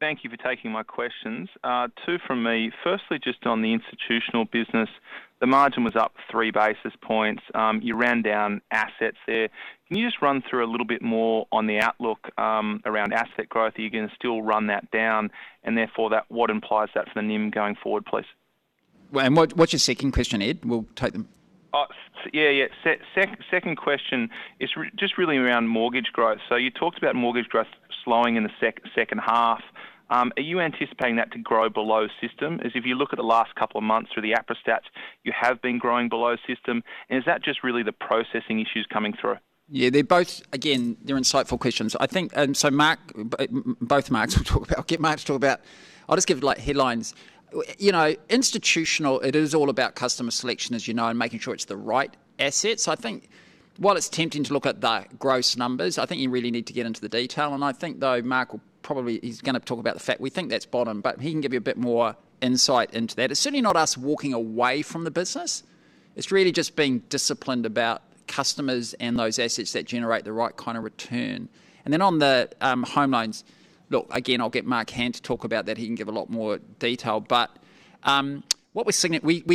Thank you for taking my questions. Two from me. Just on the institutional business, the margin was up 3 basis points. You ran down assets there. Can you just run through a little bit more on the outlook around asset growth? Are you going to still run that down and therefore what implies that for the NIM going forward, please? What's your second question, Ed? We'll take them. Yeah. Second question is just really around mortgage growth. You talked about mortgage growth slowing in the second half. Are you anticipating that to grow below system? If you look at the last couple of months through the APRA stats, you have been growing below system. Is that just really the processing issues coming through? Yeah, they're both, again, they're insightful questions. I'll get Mark to talk about. I'll just give headlines. Institutional, it is all about customer selection, as you know, and making sure it's the right assets. I think while it's tempting to look at the gross numbers, I think you really need to get into the detail. I think, though, Mark will probably, he's going to talk about the fact we think that's bottom, but he can give you a bit more insight into that. It's certainly not us walking away from the business. It's really just being disciplined about customers and those assets that generate the right kind of return. Then on the home loans, look, again, I'll get Mark Hand to talk about that. He can give a lot more detail. We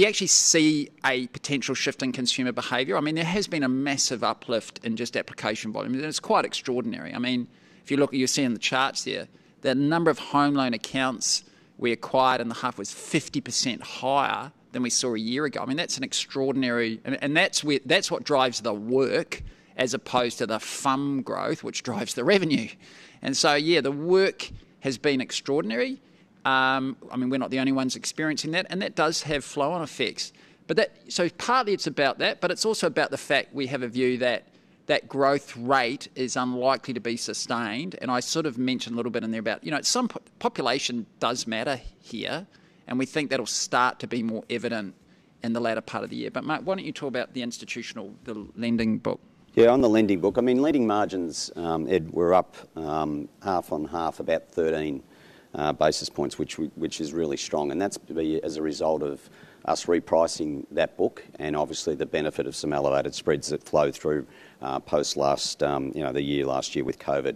actually see a potential shift in consumer behavior. There has been a massive uplift in just application volume, and it's quite extraordinary. If you look, you'll see in the charts there, the number of home loan accounts we acquired in the half was 50% higher than we saw a year ago. That's an extraordinary. That's what drives the work as opposed to the FUM growth, which drives the revenue. So, yeah, the work has been extraordinary. We're not the only ones experiencing that, and that does have flow-on effects. Partly it's about that, but it's also about the fact we have a view that that growth rate is unlikely to be sustained. I sort of mentioned a little bit in there about population does matter here, and we think that'll start to be more evident in the latter part of the year. Mark, why don't you talk about the institutional, the lending book? On the lending book, lending margins, Ed, were up half on half about 13 basis points, which is really strong, and that's as a result of us repricing that book and obviously the benefit of some elevated spreads that flow through post the year last year with COVID.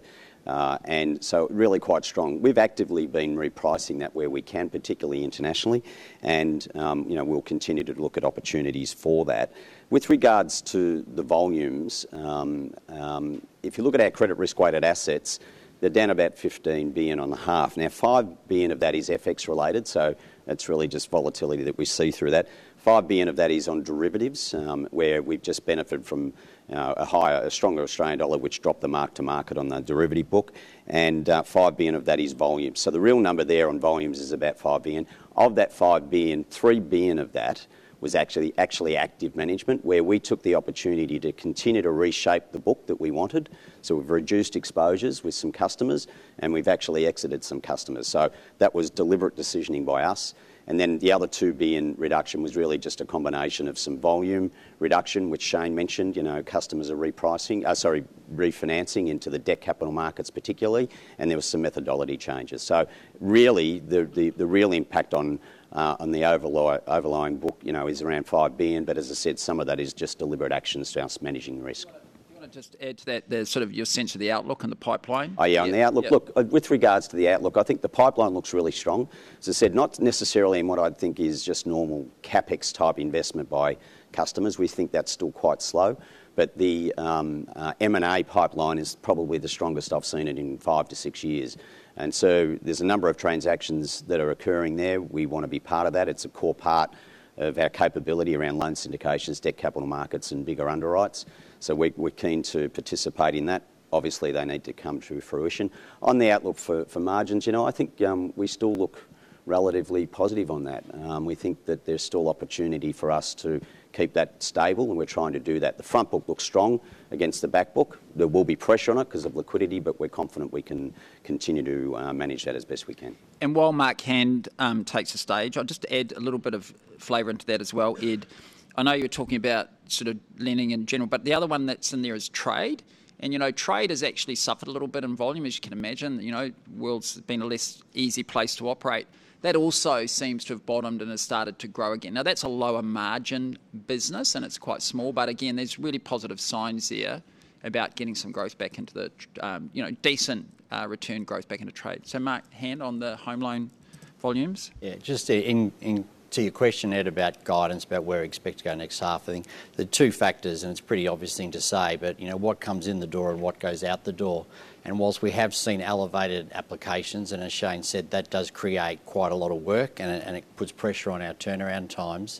Really quite strong. We've actively been repricing that where we can, particularly internationally, and we'll continue to look at opportunities for that. With regards to the volumes, if you look at our credit risk-weighted assets, they're down about 15 billion on the half. 5 billion of that is FX related, so that's really just volatility that we see through that. 5 billion of that is on derivatives, where we've just benefited from a higher, a stronger Australian dollar, which dropped the mark to market on the derivative book, and 5 billion of that is volume. The real number there on volumes is about 5 billion. Of that 5 billion, 3 billion of that was actually active management, where we took the opportunity to continue to reshape the book that we wanted. We've reduced exposures with some customers, and we've actually exited some customers. That was deliberate decisioning by us. The other 2 billion reduction was really just a combination of some volume reduction, which Shayne mentioned. Customers are refinancing into the debt capital markets particularly, and there were some methodology changes. Really, the real impact on the overlying book is around 5 billion, but as I said, some of that is just deliberate actions to us managing risk. Do you want to just add to that, your sense of the outlook and the pipeline? Yeah, on the outlook. Yeah. Look, with regards to the outlook, I think the pipeline looks really strong. As I said, not necessarily in what I'd think is just normal CapEx type investment by customers. We think that's still quite slow. The M&A pipeline is probably the strongest I've seen it in 5 years-6 years. There's a number of transactions that are occurring there. We want to be part of that. It's a core part of our capability around loan syndications, debt capital markets, and bigger underwrites. We're keen to participate in that. Obviously, they need to come to fruition. On the outlook for margins, I think we still look relatively positive on that. We think that there's still opportunity for us to keep that stable, and we're trying to do that. The front book looks strong against the back book. There will be pressure on it because of liquidity, but we're confident we can continue to manage that as best we can. While Mark Hand takes the stage, I'll just add a little bit of flavor into that as well, Ed. I know you're talking about lending in general, the other one that's in there is trade. Trade has actually suffered a little bit in volume, as you can imagine. World's been a less easy place to operate. That also seems to have bottomed and has started to grow again. That's a lower margin business, and it's quite small. Again, there's really positive signs there about getting some growth back into the, decent return growth back into trade. Mark Hand, on the home loan volumes. Yeah. Just to your question, Ed, about guidance, about where we expect to go next half, I think there are two factors, and it's a pretty obvious thing to say, but what comes in the door and what goes out the door. Whilst we have seen elevated applications, and as Shayne said, that does create quite a lot of work and it puts pressure on our turnaround times.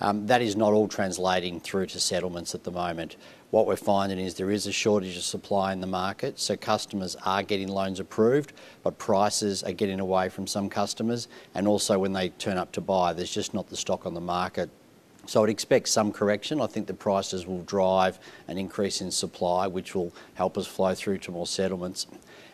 That is not all translating through to settlements at the moment. What we're finding is there is a shortage of supply in the market. Customers are getting loans approved, but prices are getting away from some customers. Also when they turn up to buy, there's just not the stock on the market. I'd expect some correction. I think the prices will drive an increase in supply, which will help us flow through to more settlements.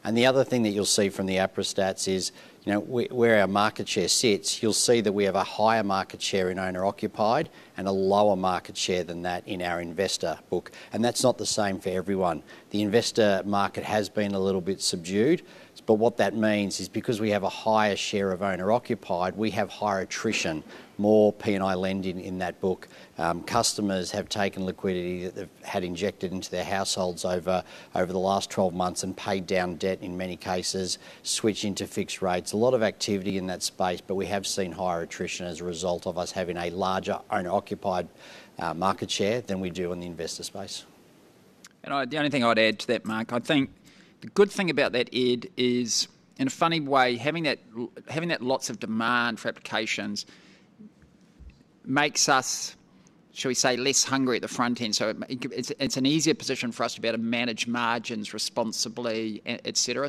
The other thing that you'll see from the APRA stats is where our market share sits. You'll see that we have a higher market share in owner-occupied and a lower market share than that in our investor book. That's not the same for everyone. The investor market has been a little bit subdued. What that means is because we have a higher share of owner-occupied, we have higher attrition, more P&I lending in that book. Customers have taken liquidity that they've had injected into their households over the last 12 months and paid down debt in many cases, switching to fixed rates. A lot of activity in that space, but we have seen higher attrition as a result of us having a larger owner-occupied market share than we do in the investor space. The only thing I'd add to that, Mark, I think the good thing about that, Ed, is in a funny way, having that lots of demand for applications makes us, shall we say, less hungry at the front end. It's an easier position for us to be able to manage margins responsibly, et cetera.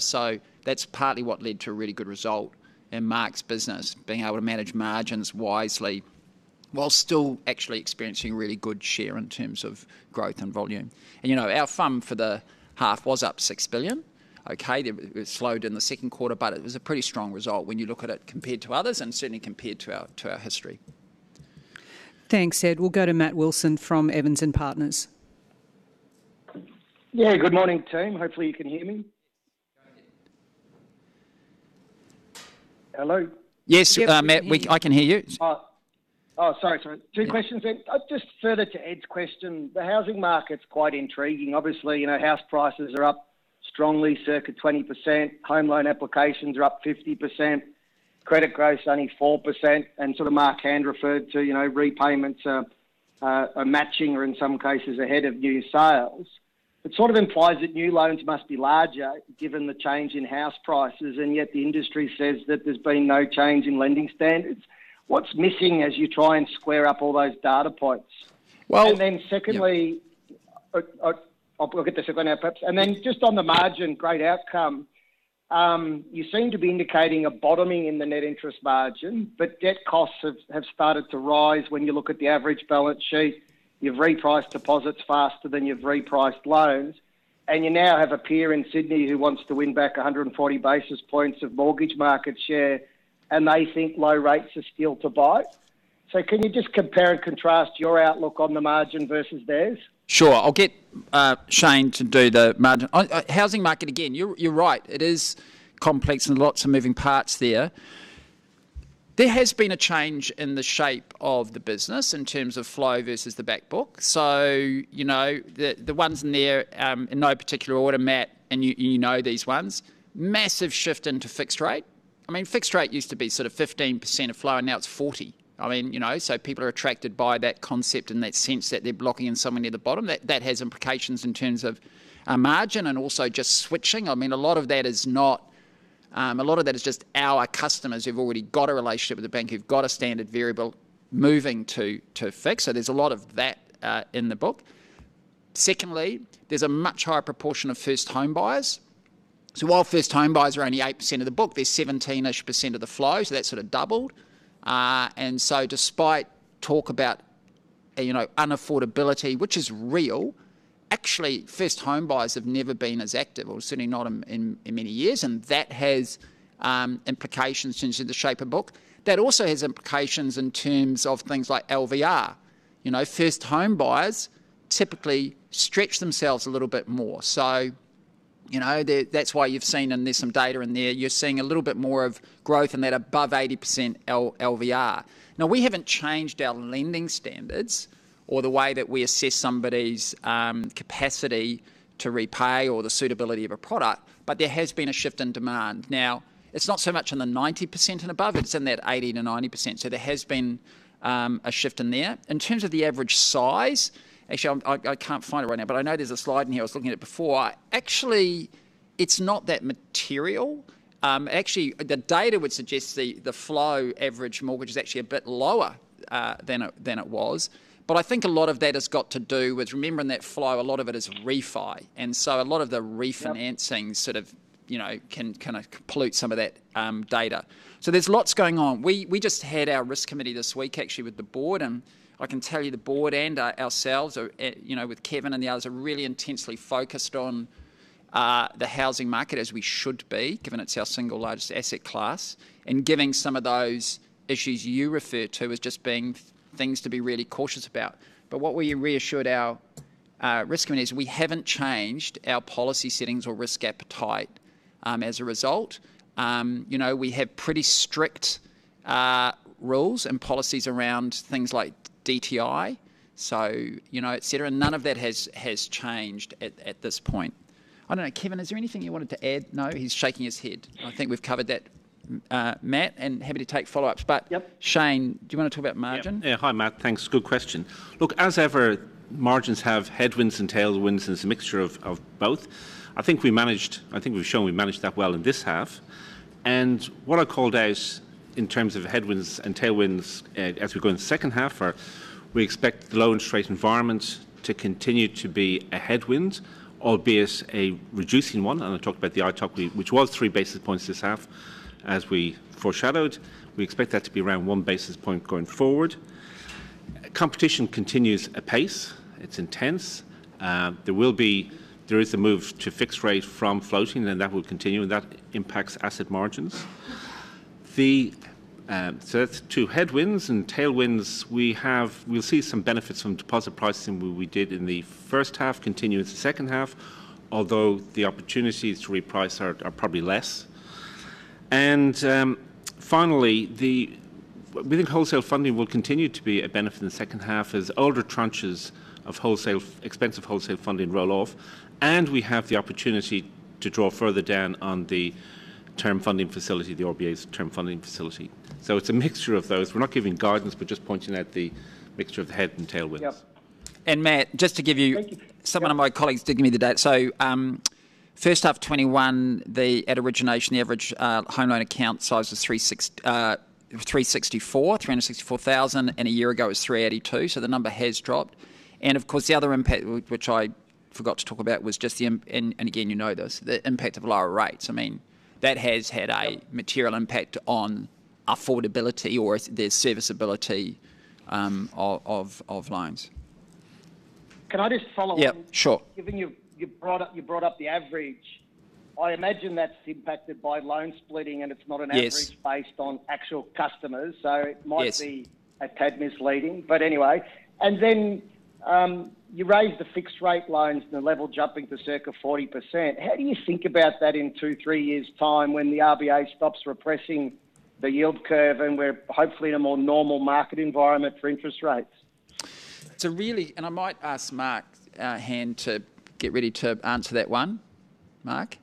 That's partly what led to a really good result in Mark's business, being able to manage margins wisely while still actually experiencing really good share in terms of growth and volume. Our FUM for the half was up 6 billion. Okay, it slowed in the second quarter, but it was a pretty strong result when you look at it compared to others and certainly compared to our history. Thanks, Ed. We'll go to Matt Wilson from Evans & Partners. Yeah, good morning, team. Hopefully, you can hear me. Hello? Yes, Matt, I can hear you. Sorry. Two questions. Just further to Ed's question, the housing market's quite intriguing. Obviously, house prices are up strongly, circa 20%, home loan applications are up 50%, credit growth is only 4%, and Mark Hand referred to repayments are matching or in some cases ahead of new sales. It sort of implies that new loans must be larger given the change in house prices, and yet the industry says that there's been no change in lending standards. What's missing as you try and square up all those data points? Well- Then secondly, I'll get to the second one perhaps. Then just on the margin, great outcome. You seem to be indicating a bottoming in the net interest margin, but debt costs have started to rise when you look at the average balance sheet. You've repriced deposits faster than you've repriced loans, and you now have a peer in Sydney who wants to win back 140 basis points of mortgage market share, and they think low rates are still to buy. Can you just compare and contrast your outlook on the margin versus theirs? Sure. I'll get Shane to do the margin. Housing market, again, you're right. It is complex and lots of moving parts there. There has been a change in the shape of the business in terms of flow versus the back book. The ones in there, in no particular order, Matt, and you know these ones, massive shift into fixed rate. Fixed rate used to be sort of 15% of flow, now it's 40%. People are attracted by that concept and that sense that they're blocking in somewhere near the bottom. That has implications in terms of our margin and also just switching. A lot of that is just our customers who've already got a relationship with the bank, who've got a standard variable moving to fixed. There's a lot of that in the book. Secondly, there's a much higher proportion of first home buyers. While first home buyers are only 8% of the book, they're 17%-ish of the flow, so that sort of doubled. Despite talk about unaffordability, which is real, actually first home buyers have never been as active, or certainly not in many years, and that has implications in terms of the shape of book. That also has implications in terms of things like LVR. First home buyers typically stretch themselves a little bit more. That's why you've seen, and there's some data in there, you're seeing a little bit more of growth in that above 80% LVR. We haven't changed our lending standards or the way that we assess somebody's capacity to repay or the suitability of a product, but there has been a shift in demand. It's not so much in the 90% and above, it's in that 80%-90%. There has been a shift in there. In terms of the average size, actually, I can't find it right now, but I know there's a slide in here. I was looking at it before. Actually, it's not that material. Actually, the data would suggest the flow average mortgage is actually a bit lower than it was. I think a lot of that has got to do with remembering that flow, a lot of it is refi. A lot of the refinancing can kind of pollute some of that data. There's lots going on. We just had our Risk Committee this week actually with the board. I can tell you the Board and ourselves, with Kevin and the others, are really intensely focused on the housing market as we should be, given it's our single largest asset class, and giving some of those issues you refer to as just being things to be really cautious about. What we reassured our Risk Committee is we haven't changed our policy settings or risk appetite as a result. We have pretty strict rules and policies around things like DTI, so et cetera. None of that has changed at this point. I don't know, Kevin, is there anything you wanted to add? No, he's shaking his head. I think we've covered that, Matt. Happy to take follow-ups. Yep. Shane, do you want to talk about margin? Yeah. Hi, Matt. Thanks. Good question. Look, as ever, margins have headwinds and tailwinds, and it's a mixture of both. I think we've shown we've managed that well in this half. What I called out in terms of headwinds and tailwinds as we go in the second half are we expect the low interest rate environment to continue to be a headwind, albeit a reducing one. I talked about the one, which was 3 basis points this half, as we foreshadowed. We expect that to be around 1 basis point going forward. Competition continues apace. It's intense. There is a move to fixed rate from floating, and that will continue, and that impacts asset margins. That's two headwinds. Tailwinds, we'll see some benefits from deposit pricing where we did in the first half continue into the second half, although the opportunities to reprice are probably less. Finally, we think wholesale funding will continue to be a benefit in the second half as older tranches of expensive wholesale funding roll off, and we have the opportunity to draw further down on the Term Funding Facility, the RBA's Term Funding Facility. It's a mixture of those. We're not giving guidance, we're just pointing out the mixture of head and tailwinds. Yeah. And Matt, just to give you- Thank you. Some of my colleagues did give me the data. First half 2021, at origination, the average home loan account size was 364,000, and a year ago, it was 382,000. The number has dropped. Of course, the other impact, which I forgot to talk about, was just the, and again you know this, the impact of lower rates. That has had a material impact on affordability or the serviceability of loans. Can I just follow up? Yeah, sure. Given you brought up the average, I imagine that's impacted by loan splitting, and it's not an average. Yes ...based on actual customers. Yes A tad misleading. Anyway. Then you raised the fixed rate loans and the level jumping to circa 40%. How do you think about that in two, three years' time when the RBA stops repressing the yield curve and we're hopefully in a more normal market environment for interest rates? I might ask Mark Hand to get ready to answer that one. Mark, do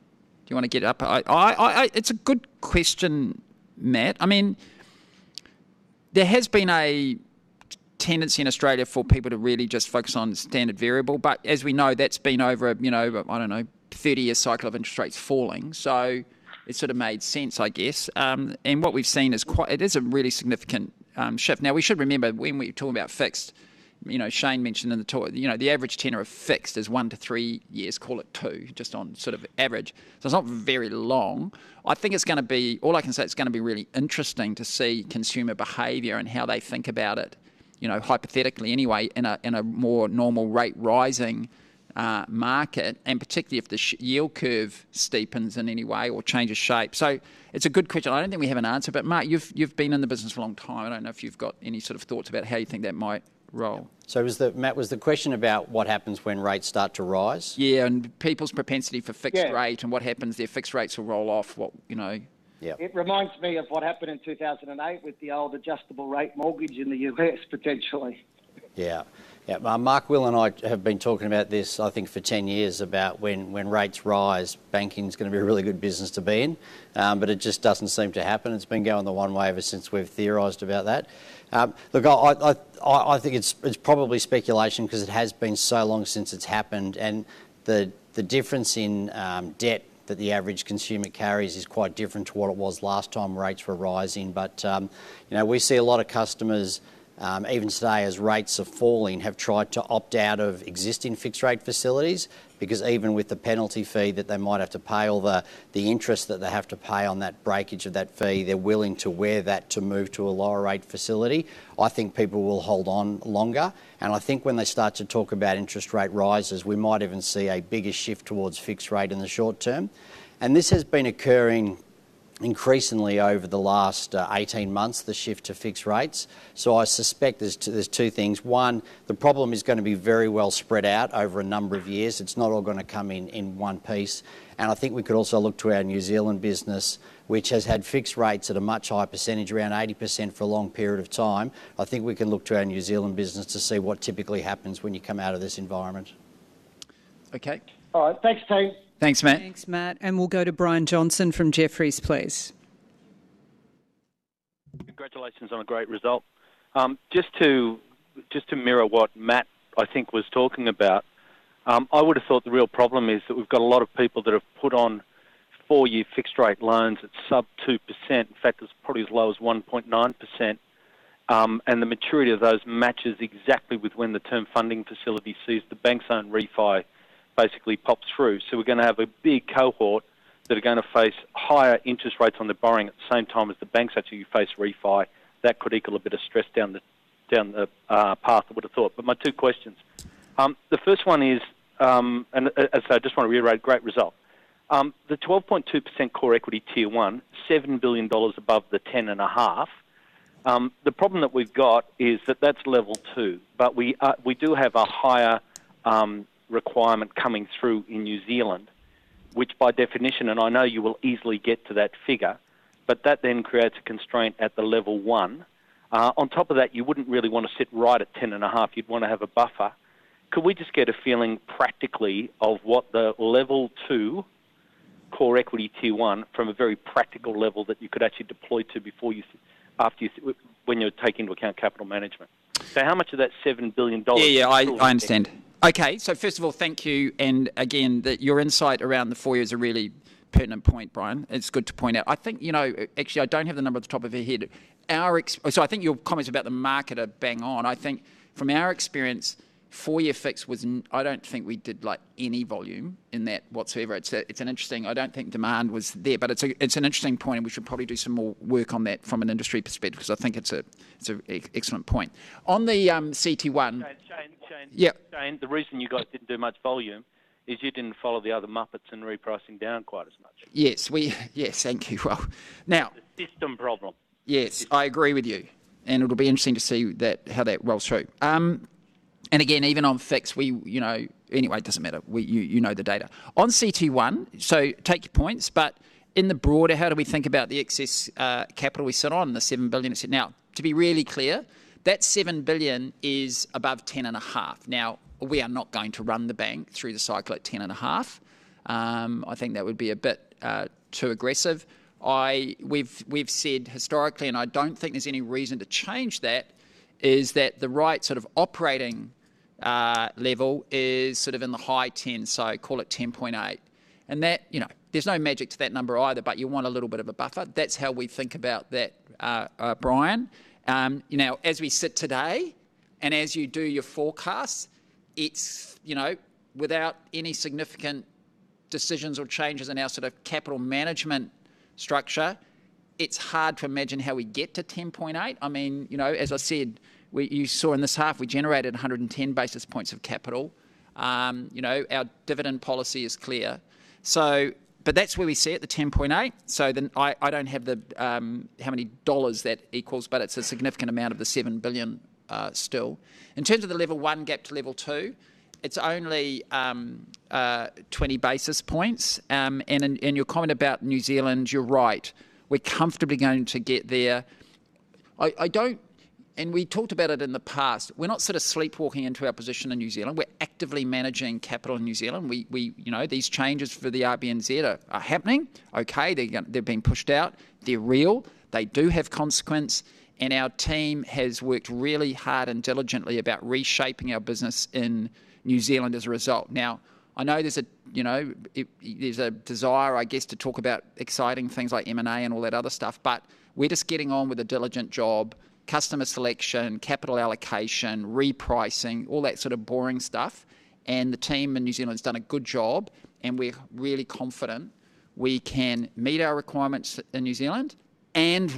you want to get up? It's a good question, Matt. There has been a tendency in Australia for people to really just focus on standard variable. As we know, that's been over, I don't know, a 30-year cycle of interest rates falling. It sort of made sense. What we've seen, it is a really significant shift. Now, we should remember, when we talk about fixed, Shane mentioned in the talk, the average tenure of fixed is 1-3 years, call it two years, just on sort of average. It's not very long. All I can say, it's going to be really interesting to see consumer behavior and how they think about it, hypothetically anyway, in a more normal rate rising market, and particularly if the yield curve steepens in any way or changes shape. It's a good question. I don't think we have an answer. Matt, you've been in the business a long time. I don't know if you've got any sort of thoughts about how you think that might roll. Matt, was the question about what happens when rates start to rise? Yeah, and people's propensity for fixed rate- Yeah What happens if fixed rates will roll off what, you know. Yeah. It reminds me of what happened in 2008 with the old adjustable rate mortgage in the U.S., potentially. Matt, well I have been talking about this, I think for 10 years, about when rates rise, banking's going to be a really good business to be in. It just doesn't seem to happen. It's been going the one way ever since we've theorized about that. Look, I think it's probably speculation because it has been so long since it's happened, and the difference in debt that the average consumer carries is quite different to what it was last time rates were rising. We see a lot of customers, even today as rates are falling, have tried to opt out of existing fixed rate facilities because even with the penalty fee that they might have to pay, or the interest that they have to pay on that breakage of that fee, they're willing to wear that to move to a lower rate facility. I think people will hold on longer, and I think when they start to talk about interest rate rises, we might even see a bigger shift towards fixed rate in the short term. This has been occurring increasingly over the last 18 months, the shift to fixed rates. I suspect there's two things. One, the problem is going to be very well spread out over a number of years. It's not all going to come in in one piece. I think we could also look to our New Zealand business, which has had fixed rates at a much higher percentage, around 80%, for a long period of time. I think we can look to our New Zealand business to see what typically happens when you come out of this environment. Okay. All right. Thanks, team. Thanks, Matt. Thanks, Matt. We'll go to Brian Johnson from Jefferies, please. Congratulations on a great result. Just to mirror what Matt, I think, was talking about, I would've thought the real problem is that we've got a lot of people that have put on four-year fixed rate loans at sub 2%, in fact, it's probably as low as 1.9%, and the maturity of those matches exactly with when the Term Funding Facility sees the bank's own refi basically pop through. We're going to have a big cohort that are going to face higher interest rates on the borrowing at the same time as the banks actually face refi. That could equal a bit of stress down the path, I would've thought. My two questions. The first one is, and as I say, I just want to reiterate, great result. The 12.2% Core Equity Tier 1, 7 billion dollars above the 10.5%, the problem that we've got is that that's Level 2, but we do have a higher requirement coming through in New Zealand, which by definition, and I know you will easily get to that figure, but that then creates a constraint at Level 1. on top of that, you wouldn't really want to sit right at 10.5%. You'd want to have a buffer. Could we just get a feeling practically of what the Level 2 Core Equity Tier 1 from a very practical level that you could actually deploy to when you take into account capital management? How much of that 7 billion dollars is still- Yeah, I understand. Okay. First of all, thank you, and again, your insight around the four-year is a really pertinent point, Brian. It's good to point out. Actually, I don't have the number at the top of my head. I think your comments about the market are bang on. I think from our experience, four-year fixed, I don't think we did any volume in that whatsoever. I don't think demand was there, but it's an interesting point and we should probably do some more work on that from an industry perspective, because I think it's an excellent point. On the CET1. Shayne. Yeah. Shayne, the reason you guys didn't do much volume is you didn't follow the other muppets in repricing down quite as much. Yes. Thank you. Well. It's a system problem. Yes, I agree with you, and it'll be interesting to see how that rolls through. Again, even on fixed, anyway, it doesn't matter, you know the data. On CET1, so take your points, but in the broader, how do we think about the excess capital we sit on, the 7 billion you said? To be really clear, that 7 billion is above 10.5%. We are not going to run the bank through the cycle at 10.5%. I think that would be a bit too aggressive. We've said historically, and I don't think there's any reason to change that, is that the right sort of operating level is sort of in the high 10s%, so call it 10.8%. There's no magic to that number either, but you want a little bit of a buffer. That's how we think about that, Brian. As we sit today, as you do your forecasts, without any significant decisions or changes in our capital management structure, it's hard to imagine how we get to 10.8%. As I said, you saw in this half we generated 110 basis points of capital. Our dividend policy is clear. That's where we sit at the 10.8%, I don't have how many dollars that equals, but it's a significant amount of the 7 billion still. In terms of the Level 1 gap to Level 2, it's only 20 basis points. In your comment about New Zealand, you're right. We're comfortably going to get there. We talked about it in the past. We're not sort of sleepwalking into our position in New Zealand. We're actively managing capital in New Zealand. These changes for the RBNZ are happening. Okay, they're being pushed out. They're real. They do have consequence, and our team has worked really hard and diligently about reshaping our business in New Zealand as a result. Now, I know there's a desire, I guess, to talk about exciting things like M&A and all that other stuff, but we're just getting on with a diligent job, customer selection, capital allocation, repricing, all that sort of boring stuff. The team in New Zealand's done a good job, and we're really confident we can meet our requirements in New Zealand and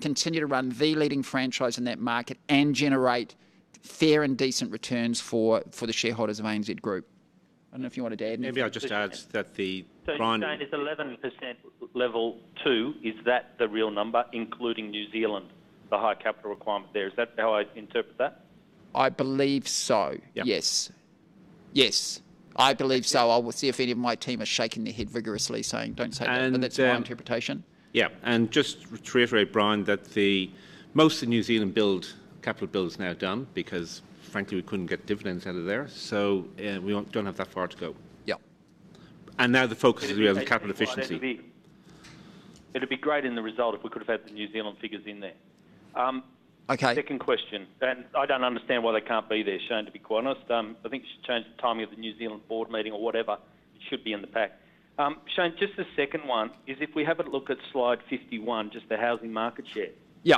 continue to run the leading franchise in that market and generate fair and decent returns for the shareholders of ANZ Group. I don't know if you wanted to add anything. Maybe I'll just add that the primary-. Shane, is 11% Level 2, is that the real number, including New Zealand, the high capital requirement there? Is that how I interpret that? I believe so. Yeah. Yes. I believe so. I will see if any of my team are shaking their head vigorously saying, "Don't say that." That's my interpretation. Yeah. Just to reiterate, Brian, that most of the New Zealand capital build is now done, because frankly, we couldn't get dividends out of there, so we don't have that far to go. Yeah. Now the focus is really on capital efficiency. It'd be great in the result if we could've had the New Zealand figures in there. Okay. Second question, I don't understand why they can't be there, Shayne, to be quite honest. I think you should change the timing of the New Zealand Board meeting or whatever. It should be in the pack. Shayne, just the second one is if we have a look at slide 51, just the housing market share. Yeah.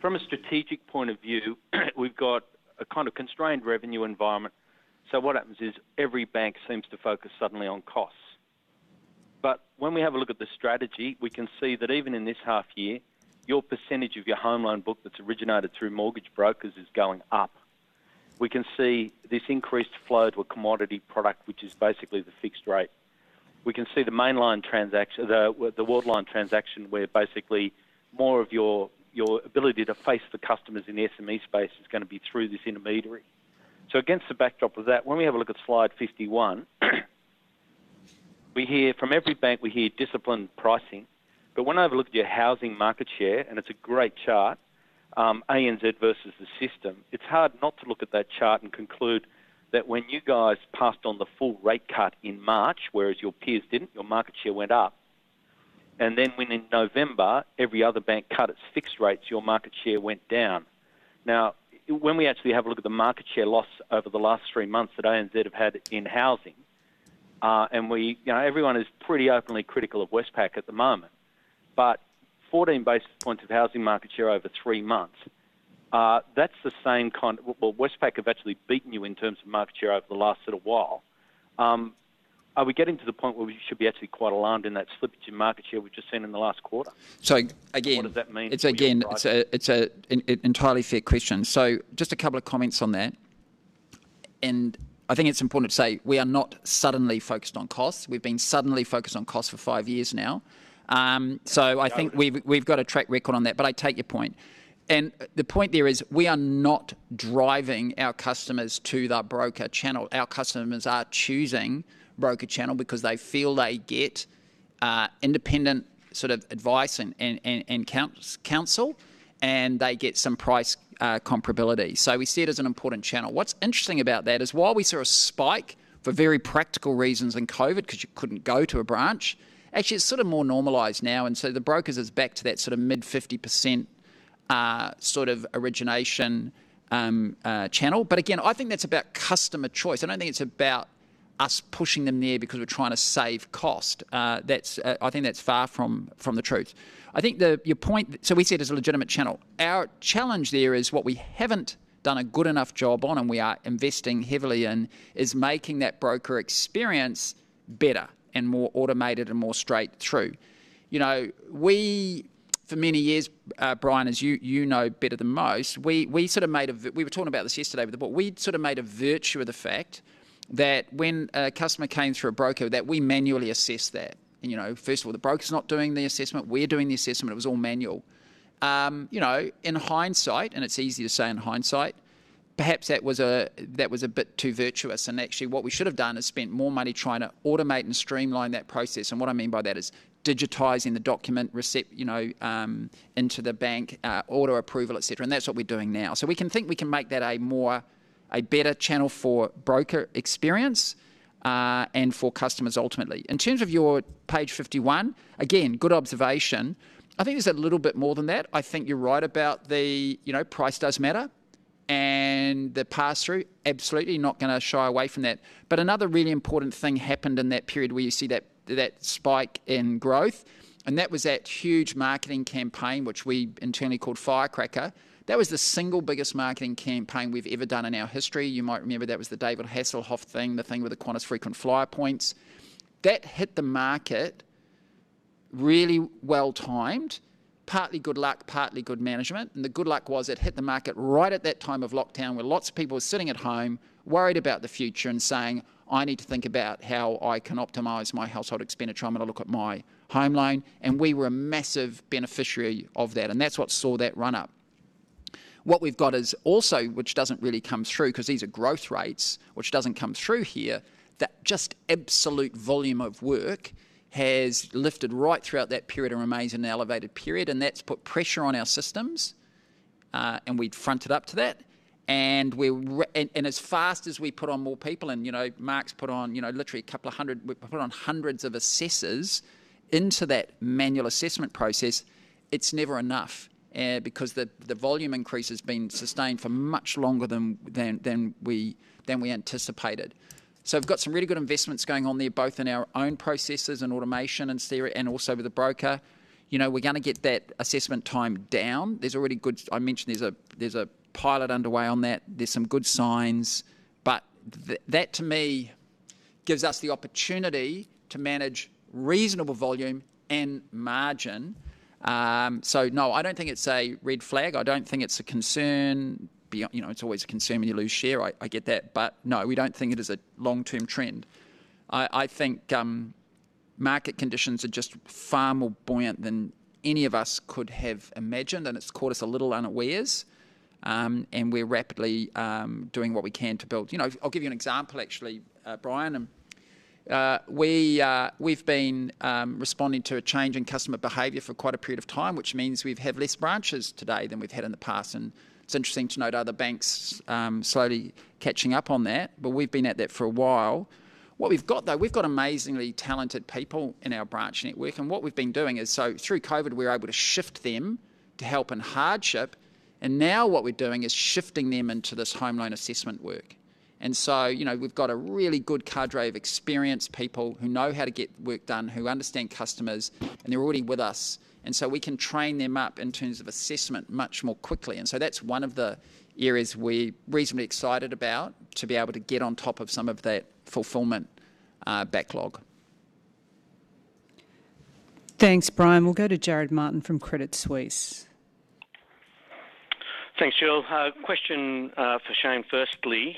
From a strategic point of view, we've got a kind of constrained revenue environment. What happens is every bank seems to focus suddenly on costs. When we have a look at the strategy, we can see that even in this half year, your percentage of your home loan book that's originated through mortgage brokers is going up. We can see this increased flow to a commodity product, which is basically the fixed rate. We can see the Worldline transaction where basically more of your ability to face the customers in the SME space is going to be through this intermediary. Against the backdrop of that, when we have a look at slide 51, from every bank, we hear disciplined pricing. When I have a look at your housing market share, and it's a great chart, ANZ versus the system, it's hard not to look at that chart and conclude that when you guys passed on the full rate cut in March, whereas your peers didn't, your market share went up. Then when in November, every other bank cut its fixed rates, your market share went down. When we actually have a look at the market share loss over the last three months that ANZ have had in housing, and everyone is pretty openly critical of Westpac at the moment, but 14 basis points of housing market share over three months. Westpac have actually beaten you in terms of market share over the last little while. Are we getting to the point where we should be actually quite alarmed in that slippage in market share we've just seen in the last quarter? So again- What does that mean for the overall- Again, it's an entirely fair question. Just a couple of comments on that, and I think it's important to say we are not suddenly focused on costs. We've been suddenly focused on costs for five years now. I think we've got a track record on that, but I take your point. The point there is we are not driving our customers to the broker channel. Our customers are choosing broker channel because they feel they get independent advice and counsel, and they get some price comparability. We see it as an important channel. What's interesting about that is while we saw a spike for very practical reasons in COVID, because you couldn't go to a branch, actually it's sort of more normalized now. The brokers is back to that sort of mid-50% origination channel. Again, I think that's about customer choice. I don't think it's about us pushing them there because we're trying to save cost. I think that's far from the truth. We see it as a legitimate channel. Our challenge there is what we haven't done a good enough job on, and we are investing heavily in, is making that broker experience better and more automated and more straight through. For many years, Brian, as you know better than most, we were talking about this yesterday over the board. We'd sort of made a virtue of the fact that when a customer came through a broker, that we manually assess that. First of all, the broker's not doing the assessment. We're doing the assessment. It was all manual. In hindsight, and it's easy to say in hindsight, perhaps that was a bit too virtuous, and actually, what we should have done is spent more money trying to automate and streamline that process. What I mean by that is digitizing the document receipt into the bank, auto approval, et cetera. That's what we're doing now. We think we can make that a better channel for broker experience, and for customers ultimately. In terms of your page 51, again, good observation. I think there's a little bit more than that. I think you're right about the price does matter. The pass-through, absolutely not going to shy away from that. Another really important thing happened in that period where you see that spike in growth, and that was that huge marketing campaign, which we internally called Firecracker. That was the single biggest marketing campaign we've ever done in our history. You might remember that was the David Hasselhoff thing, the thing with the Qantas Frequent Flyer points. That hit the market really well-timed, partly good luck, partly good management. The good luck was it hit the market right at that time of lockdown where lots of people were sitting at home worried about the future and saying, "I need to think about how I can optimize my household expenditure. I'm going to look at my home loan." We were a massive beneficiary of that. That's what saw that run-up. What we've got is also, which doesn't really come through because these are growth rates, which doesn't come through here, that just absolute volume of work has lifted right throughout that period and remains in an elevated period. That's put pressure on our systems, and we'd fronted up to that. As fast as we put on more people, and Mark's put on literally hundreds of assessors into that manual assessment process, it's never enough, because the volume increase has been sustained for much longer than we anticipated. We've got some really good investments going on there, both in our own processes and automation and also with the broker. We're going to get that assessment time down. I mentioned there's a pilot underway on that. There's some good signs. That, to me, gives us the opportunity to manage reasonable volume and margin. No, I don't think it's a red flag. I don't think it's a concern. It's always a concern when you lose share. I get that. No, we don't think it is a long-term trend. I think market conditions are just far more buoyant than any of us could have imagined, it's caught us a little unawares. We're rapidly doing what we can to build. I'll give you an example, actually, Brian. We've been responding to a change in customer behavior for quite a period of time, which means we have less branches today than we've had in the past. It's interesting to note other banks slowly catching up on that, but we've been at that for a while. What we've got, though, we've got amazingly talented people in our branch network. What we've been doing is, through COVID, we were able to shift them to help in hardship. Now what we're doing is shifting them into this home loan assessment work. We've got a really good cadre of experienced people who know how to get work done, who understand customers, and they're already with us. We can train them up in terms of assessment much more quickly. That's one of the areas we're reasonably excited about, to be able to get on top of some of that fulfillment backlog. Thanks, Brian. We'll go to Jarrod Martin from Credit Suisse. Thanks, Jill. Question for Shayne, firstly.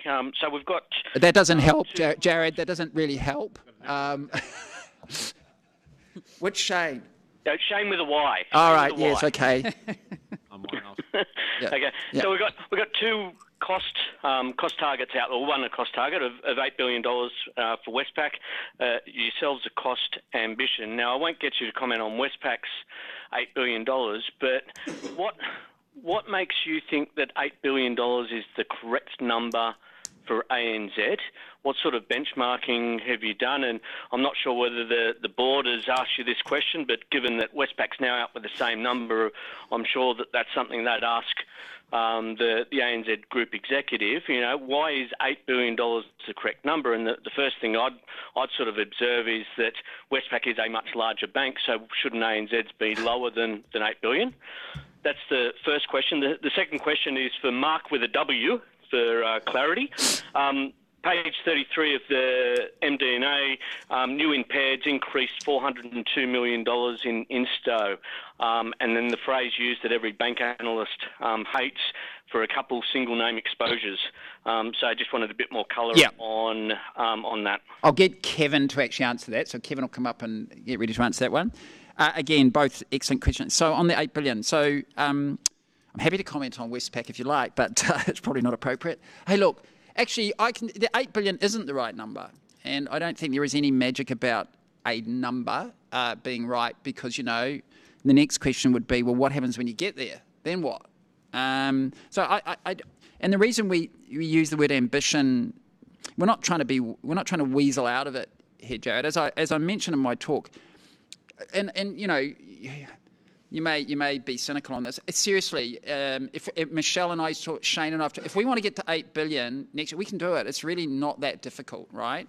That doesn't help, Jarrod. That doesn't really help. Which Shayne? Shayne with a Y. All right. Yes, okay. I might ask- Okay. We've got two cost targets out, or one cost target of 8 billion dollars for Westpac, yourselves a cost ambition. I won't get you to comment on Westpac's 8 billion dollars, but what makes you think that 8 billion dollars is the correct number for ANZ? What sort of benchmarking have you done? I'm not sure whether the Board has asked you this question, but given that Westpac's now out with the same number, I'm sure that that's something they'd ask the ANZ Group executive. Why is 8 billion dollars the correct number? The first thing I'd observe is that Westpac is a much larger bank, so shouldn't ANZ's be lower than 8 billion? That's the first question. The second question is for Mark with a W, for clarity. Page 33 of the MD&A, new impairs increased 402 million dollars in Insto. The phrase used that every bank analyst hates, for a couple single name exposures. I just wanted a bit more color- Yeah ...on that. I'll get Kevin to actually answer that. Kevin will come up and get ready to answer that one. Again, both excellent questions. On the 8 billion. I'm happy to comment on Westpac if you like, but it's probably not appropriate. Hey, look, actually, the 8 billion isn't the right number, and I don't think there is any magic about a number being right, because the next question would be, well, what happens when you get there? Then what? The reason we use the word ambition, we're not trying to weasel out of it here, Jarrod. As I mentioned in my talk. You may be cynical on this. Seriously, if Michelle and I talked, Shane and I, if we want to get to 8 billion next year, we can do it. It's really not that difficult, right?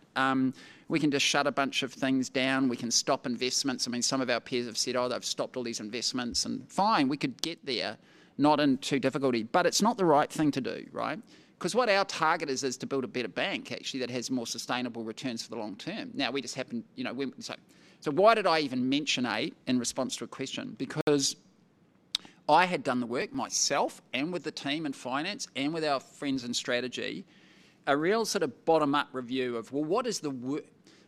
We can just shut a bunch of things down. We can stop investments. Some of our peers have said, "Oh, they've stopped all these investments." Fine, we could get there, not in too difficulty. It's not the right thing to do, right? What our target is to build a better bank, actually, that has more sustainable returns for the long term. Why did I even mention eight in response to a question? I had done the work myself and with the team in finance and with our friends in strategy, a real sort of bottom-up review of, well, what is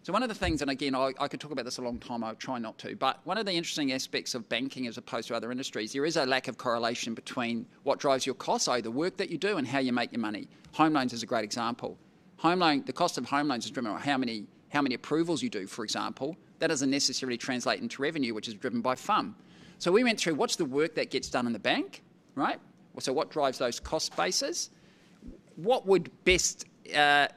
one of the things, and again, I could talk about this a long time, I'll try not to, but one of the interesting aspects of banking as opposed to other industries, there is a lack of correlation between what drives your costs, i.e., the work that you do and how you make your money. Home loans is a great example. The cost of home loans is driven by how many approvals you do, for example. That doesn't necessarily translate into revenue, which is driven by FUM. We went through, what's the work that gets done in the bank, right? What drives those cost bases? What would best-in-class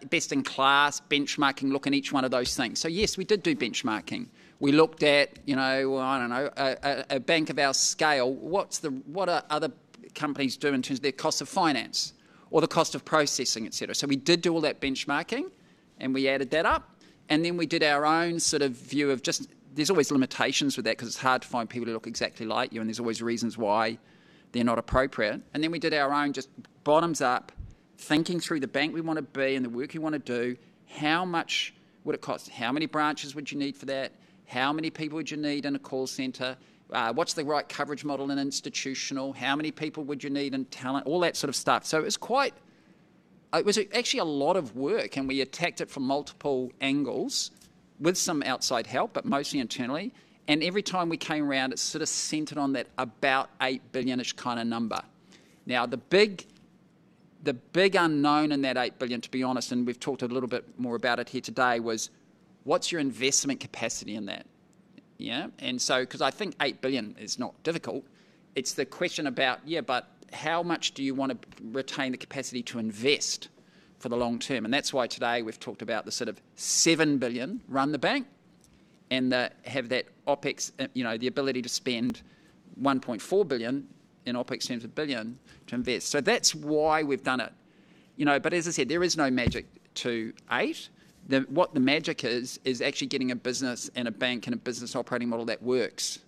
benchmarking look in each one of those things? Yes, we did do benchmarking. We looked at, I don't know, a bank of our scale. What are other companies do in terms of their cost of finance or the cost of processing, et cetera? We did do all that benchmarking, and we added that up, and then we did our own sort of view of just, there's always limitations with that because it's hard to find people who look exactly like you, and there's always reasons why they're not appropriate. We did our own, just bottoms-up thinking through the bank we want to be and the work we want to do, how much would it cost? How many branches would you need for that? How many people would you need in a call center? What's the right coverage model in institutional? How many people would you need in talent? All that sort of stuff. It was actually a lot of work, and we attacked it from multiple angles with some outside help, but mostly internally. Every time we came around, it sort of centered on that about 8 billion-ish kind of number. Now, the big unknown in that 8 billion, to be honest, and we've talked a little bit more about it here today, was what's your investment capacity in that? Yeah. Because I think 8 billion is not difficult, it's the question about, yeah, but how much do you want to retain the capacity to invest for the long term? That's why today we've talked about the sort of 7 billion run the bank and have that OPEX, the ability to spend 1.4 billion in OPEX terms, 1 billion to invest. That's why we've done it. As I said, there is no magic to 8 billion. What the magic is actually getting a business and a bank and a business operating model that works.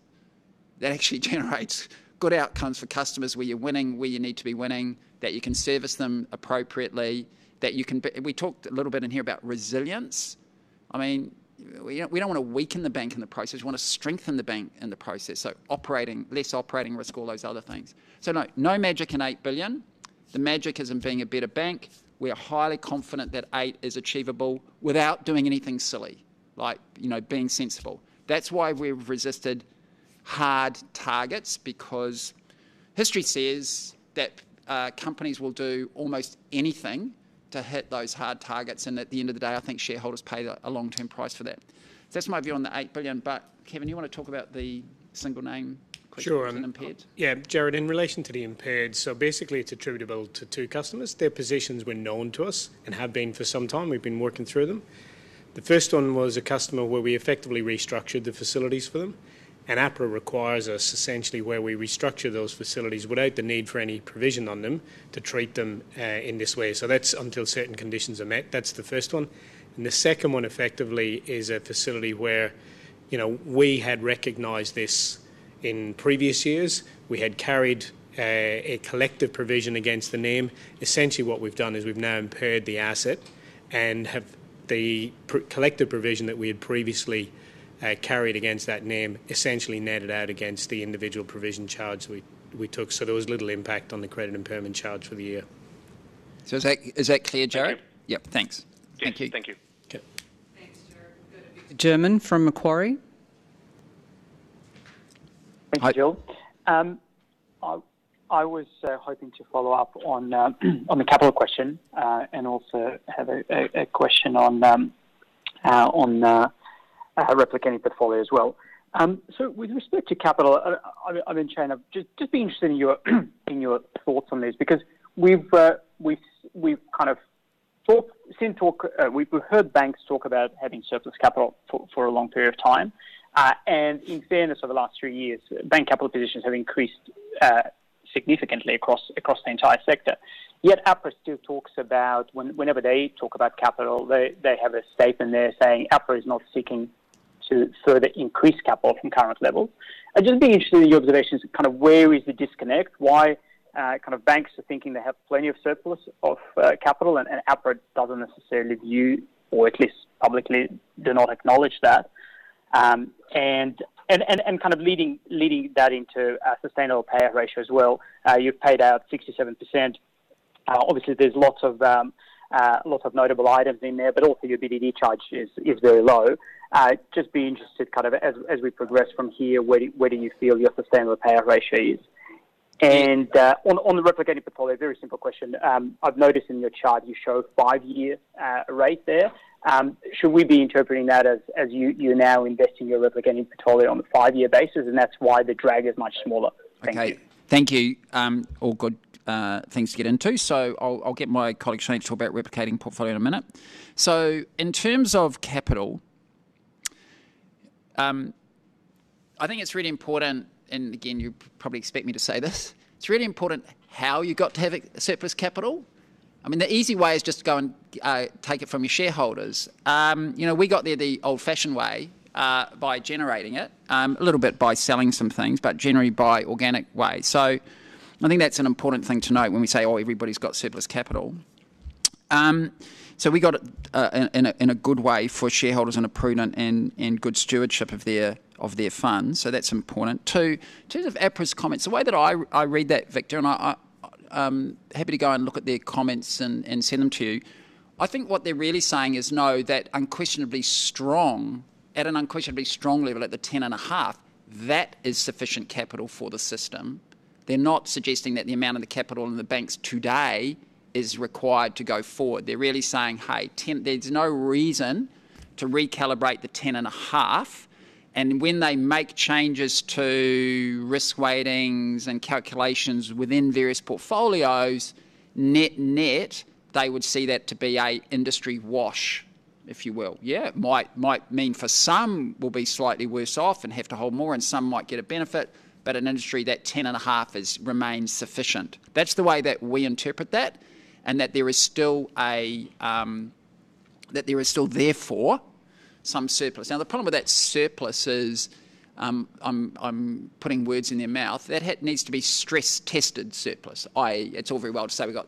That actually generates good outcomes for customers, where you're winning, where you need to be winning, that you can service them appropriately. We talked a little bit in here about resilience. We don't want to weaken the bank in the process. We want to strengthen the bank in the process. Less operating risk, all those other things. No, no magic in 8 billion. The magic is in being a better bank. We are highly confident that 8 billion is achievable without doing anything silly, like being sensible. That's why we've resisted hard targets, because history says that companies will do almost anything to hit those hard targets, and at the end of the day, I think shareholders pay a long-term price for that. That's my view on the 8 billion. Kevin, you want to talk about the single name question on impaired? Sure. Jarrod, in relation to the impaired, basically it is attributable to two customers. Their positions were known to us and have been for some time. We have been working through them. The first one was a customer where we effectively restructured the facilities for them, and APRA requires us essentially where we restructure those facilities without the need for any provision on them to treat them in this way. That is until certain conditions are met. That is the first one. The second one effectively is a facility where we had recognized this in previous years. We had carried a collective provision against the name. Essentially what we have done is we have now impaired the asset and have the collective provision that we had previously carried against that name essentially netted out against the individual provision charge we took. There was little impact on the credit impairment charge for the year. Is that clear, Jarrod? Okay. Yep. Thanks. Thank you. Thanks, Jarrod. German from Macquarie. Hi. Thank you, Jill. I was hoping to follow up on the capital question, and also have a question on our replicating portfolio as well. With respect to capital, I mean, Shayne, I've just been interested in your thoughts on this because we've heard banks talk about having surplus capital for a long period of time. In fairness, for the last three years, bank capital positions have increased significantly across the entire sector. Yet APRA still talks about whenever they talk about capital, they have a statement there saying APRA is not seeking to further increase capital from current levels. I'd just be interested in your observations, kind of where is the disconnect? Why banks are thinking they have plenty of surplus of capital and APRA doesn't necessarily view, or at least publicly do not acknowledge that. Kind of leading that into sustainable payout ratio as well. You've paid out 67%. Obviously, there's lots of notable items in there, but also your BDD charge is very low. Just be interested kind of as we progress from here, where do you feel your sustainable payout ratio is? On the replicating portfolio, very simple question. I've noticed in your chart you show five-year rate there. Should we be interpreting that as you're now investing your replicating portfolio on a five-year basis, and that's why the drag is much smaller? Thank you. Okay. Thank you. All good things to get into. I'll get my colleague Shane to talk about replicating portfolio in a minute. In terms of capital, I think it's really important, and again, you probably expect me to say this, it's really important how you got to have surplus capital. The easy way is just to go and take it from your shareholders. We got there the old-fashioned way, by generating it. A little bit by selling some things, but generally by organic way. I think that's an important thing to note when we say, "Oh, everybody's got surplus capital." We got it in a good way for shareholders in a prudent and good stewardship of their funds, that's important. Two, in terms of APRA's comments, the way that I read that, Victor, and I'm happy to go and look at their comments and send them to you. I think what they're really saying is no, that unquestionably strong, at an unquestionably strong level at the 10.5%, that is sufficient capital for the system. They're not suggesting that the amount of the capital in the banks today is required to go forward. They're really saying, Hey, there's no reason to recalibrate the 10.5%. When they make changes to risk weightings and calculations within various portfolios, net-net, they would see that to be a industry wash, if you will. Yeah, it might mean for some will be slightly worse off and have to hold more and some might get a benefit, but in industry, that 10.5% remains sufficient. That's the way that we interpret that, and that there is still therefore some surplus. The problem with that surplus is, I'm putting words in their mouth, that needs to be stress-tested surplus, i.e. it's all very well to say we got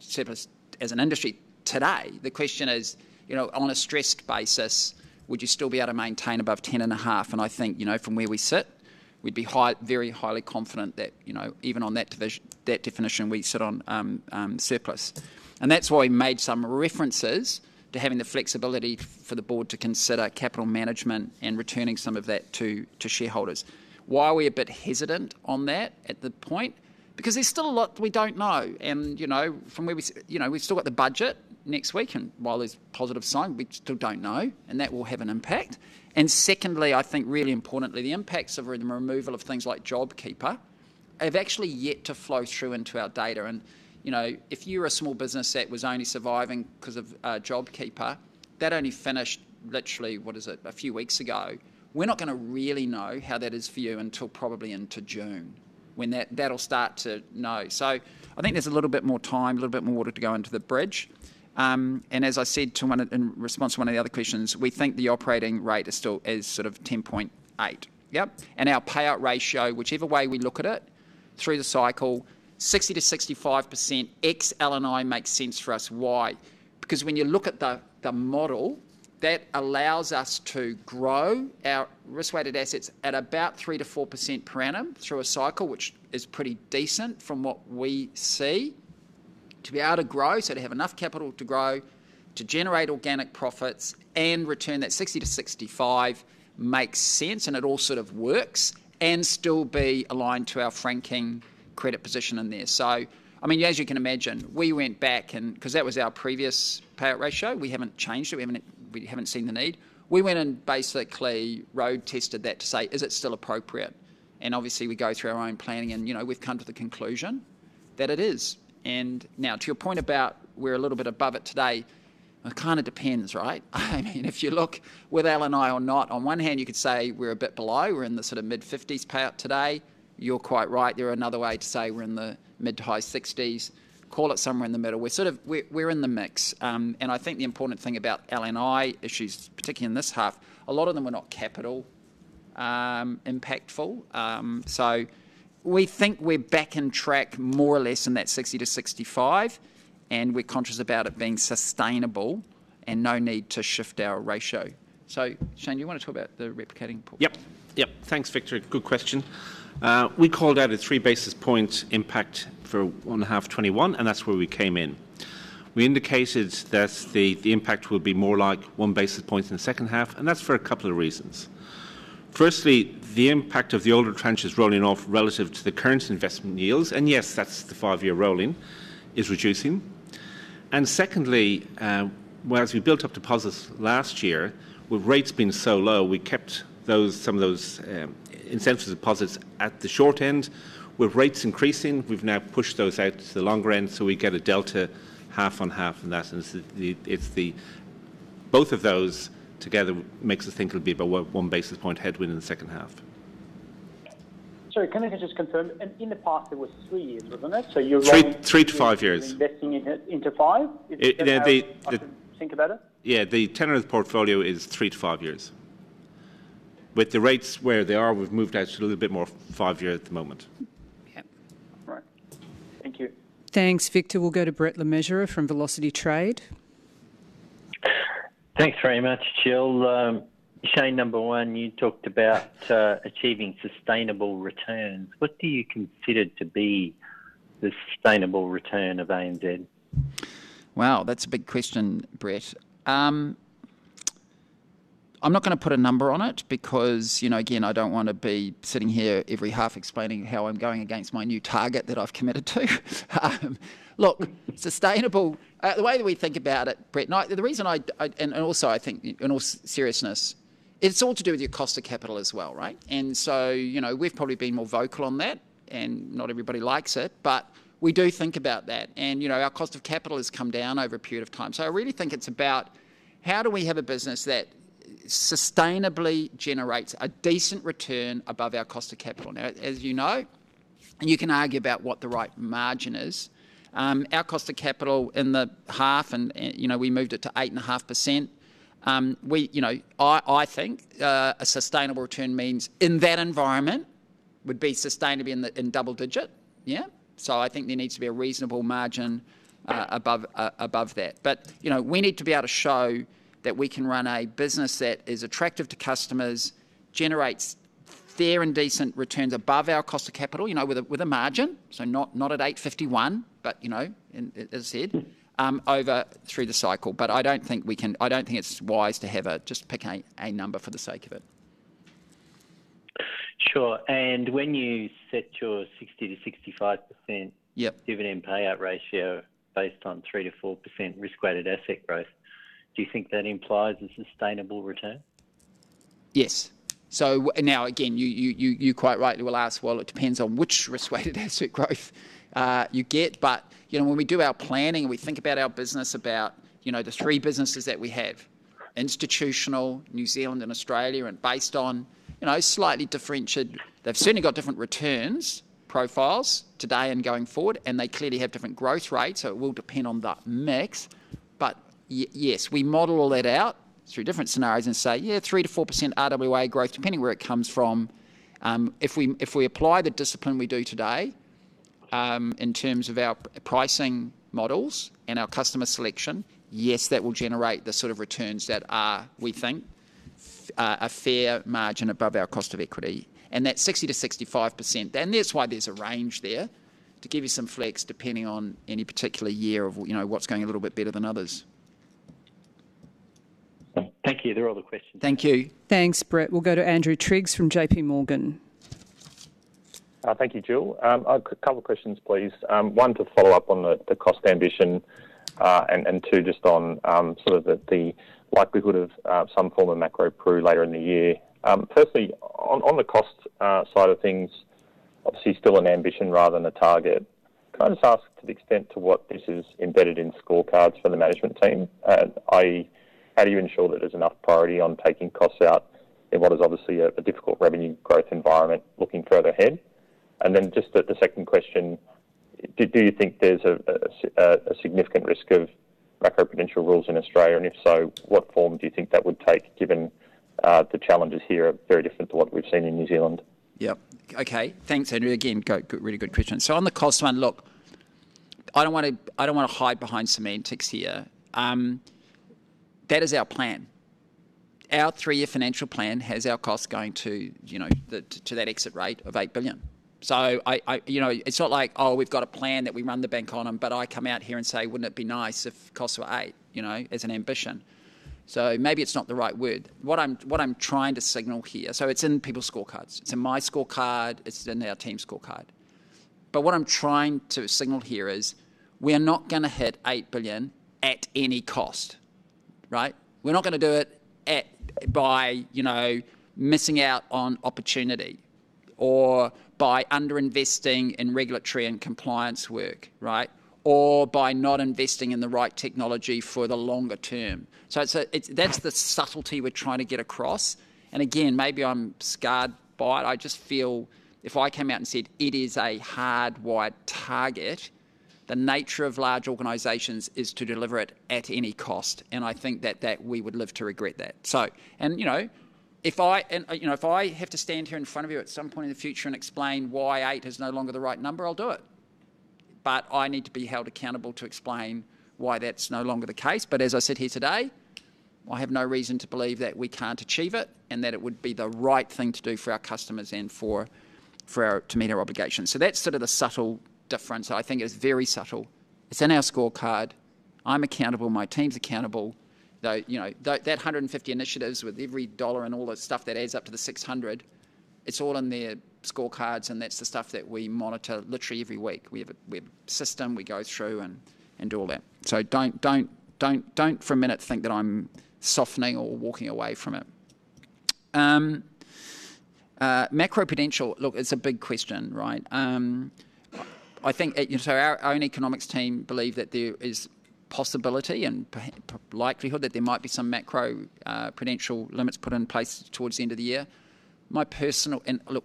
surplus as an industry today. The question is, on a stressed basis, would you still be able to maintain above 10.5%? I think, from where we sit, we'd be very highly confident that even on that definition, we sit on surplus. That's why we made some references to having the flexibility for the board to consider capital management and returning some of that to shareholders. Why are we a bit hesitant on that at the point? There's still a lot that we don't know, and we've still got the budget next week, and while there's positive sign, we still don't know, and that will have an impact. Secondly, I think really importantly, the impacts of the removal of things like JobKeeper have actually yet to flow through into our data. If you're a small business that was only surviving because of JobKeeper, that only finished literally, what is it, a few weeks ago. We're not going to really know how that is for you until probably into June, when that'll start to know. I think there's a little bit more time, a little bit more water to go under the bridge. As I said in response to one of the other questions, we think the operating rate is sort of 10.8%. Yep. Our payout ratio, whichever way we look at it, through the cycle, 60%-65% ex L&I makes sense for us. Why? When you look at the model, that allows us to grow our risk-weighted assets at about 3%-4% per annum through a cycle, which is pretty decent from what we see. To be able to grow, so to have enough capital to grow, to generate organic profits and return that 60%-65% makes sense, and it all sort of works, and still be aligned to our franking credit position in there. As you can imagine, we went back and, because that was our previous payout ratio, we haven't changed it. We haven't seen the need. We went and basically road tested that to say, "Is it still appropriate?" Obviously, we go through our own planning and we've come to the conclusion that it is. Now to your point about we're a little bit above it today, kind of depends, right? If you look with L&I or not, on one hand, you could say we're a bit below. We're in the sort of mid-50s% payout today. You're quite right, there's another way to say we're in the mid to high 60s%. Call it somewhere in the middle. We're in the mix. I think the important thing about L&I issues, particularly in this half, a lot of them are not capital impactful. We think we're back on track more or less in that 60% to 65%, and we're conscious about it being sustainable and no need to shift our ratio. Shane, you want to talk about the replicating port? Yep. Thanks, Victor. Good question. We called out a three basis point impact for one half 2021, that's where we came in. We indicated that the impact would be more like one basis point in the second half, that's for a couple of reasons. Firstly, the impact of the older tranches rolling off relative to the current investment yields, yes, that's the five-year rolling, is reducing. Secondly, whereas we built up deposits last year, with rates being so low, we kept some of those incentives deposits at the short end. With rates increasing, we've now pushed those out to the longer end, so we get a delta half on half, that it's the both of those together makes us think it'll be about one basis point headwind in the second half. Sorry, can I just confirm, in the past it was three years, wasn't it? 3-5 years. ...investing into 5 years? Is that how- Yeah. I should think about it? Yeah, the tenure of the portfolio is three to five years. With the rates where they are, we've moved out to a little bit more five-year at the moment. Yep. All right. Thank you. Thanks, Victor. We'll go to Brett Le Mesurier from Velocity Trade. Thanks very much, Jill. Shayne, number one, you talked about achieving sustainable returns. What do you consider to be the sustainable return of ANZ? Wow, that's a big question, Brett. I'm not going to put a number on it because, again, I don't want to be sitting here every half explaining how I'm going against my new target that I've committed to. Look, sustainable The way that we think about it, Brett, and also I think in all seriousness, it's all to do with your cost of capital as well, right? We've probably been more vocal on that, and not everybody likes it. We do think about that. Our cost of capital has come down over a period of time. I really think it's about how do we have a business that sustainably generates a decent return above our cost of capital? As you know. You can argue about what the right margin is. Our cost of capital in the half, and we moved it to 8.5%. I think a sustainable return means in that environment would be sustainable in double digit. Yeah. I think there needs to be a reasonable margin above that. We need to be able to show that we can run a business that is attractive to customers, generates fair and decent returns above our cost of capital, with a margin. Not at 8.51%, but as I said, over through the cycle. I don't think it's wise to just pick a number for the sake of it. Sure. When you set your 60%-65%- Yep ...dividend payout ratio based on 3%-4% risk-weighted asset growth, do you think that implies a sustainable return? Yes. Now again, you quite rightly will ask, well, it depends on which risk-weighted asset growth you get. When we do our planning and we think about our business about the three businesses that we have, Institutional, New Zealand, and Australia, they've certainly got different returns profiles today and going forward, and they clearly have different growth rates, it will depend on the mix. Yes, we model all that out through different scenarios and say, "Yeah, 3%-4% RWA growth," depending where it comes from. If we apply the discipline we do today, in terms of our pricing models and our customer selection, yes, that will generate the sort of returns that are, we think, a fair margin above our cost of equity. That's 60%-65%. That's why there's a range there, to give you some flex depending on any particular year of what's going a little bit better than others. Thank you. They're all the questions. Thank you. Thanks, Brett. We'll go to Andrew Triggs from JPMorgan. Thank you, Jill. A couple questions, please. One, to follow up on the cost ambition. Two just on sort of the likelihood of some form of macro pru later in the year. Firstly, on the cost side of things, obviously still an ambition rather than a target. Can I just ask to the extent to what this is embedded in scorecards for the management team, i.e., how do you ensure that there's enough priority on taking costs out in what is obviously a difficult revenue growth environment looking further ahead? Just the second question, do you think there's a significant risk of macroprudential rules in Australia? If so, what form do you think that would take given the challenges here are very different to what we've seen in New Zealand? Yep. Okay. Thanks, Andrew. Again, really good question. On the cost one, look, I don't want to hide behind semantics here. That is our plan. Our three-year financial plan has our costs going to that exit rate of 8 billion. It's not like, we've got a plan that we run the bank on, but I come out here and say, "Wouldn't it be nice if costs were 8 billion?" As an ambition. Maybe it's not the right word. What I'm trying to signal here, so it's in people's scorecards. It's in my scorecard. It's in our team's scorecard. What I'm trying to signal here is we are not going to hit 8 billion at any cost. Right. We're not going to do it by missing out on opportunity or by under-investing in regulatory and compliance work, right. By not investing in the right technology for the longer term. That's the subtlety we're trying to get across. Again, maybe I'm scarred by it. I just feel if I came out and said it is a hard-wired target, the nature of large organizations is to deliver it at any cost, and I think that we would live to regret that. If I have to stand here in front of you at some point in the future and explain why 8 billion is no longer the right number, I'll do it. I need to be held accountable to explain why that's no longer the case. As I said here today, I have no reason to believe that we can't achieve it, and that it would be the right thing to do for our customers and to meet our obligations. That's sort of the subtle difference. I think it's very subtle. It's in our scorecard. I'm accountable, my team's accountable. That 150 initiatives with every dollar and all that stuff that adds up to the 600 million, it's all in their scorecards, and that's the stuff that we monitor literally every week. We have a system we go through and do all that. Don't for a minute think that I'm softening or walking away from it. Macroprudential. Look, it's a big question, right? Our own economics team believe that there is possibility and likelihood that there might be some macroprudential limits put in place towards the end of the year. Look,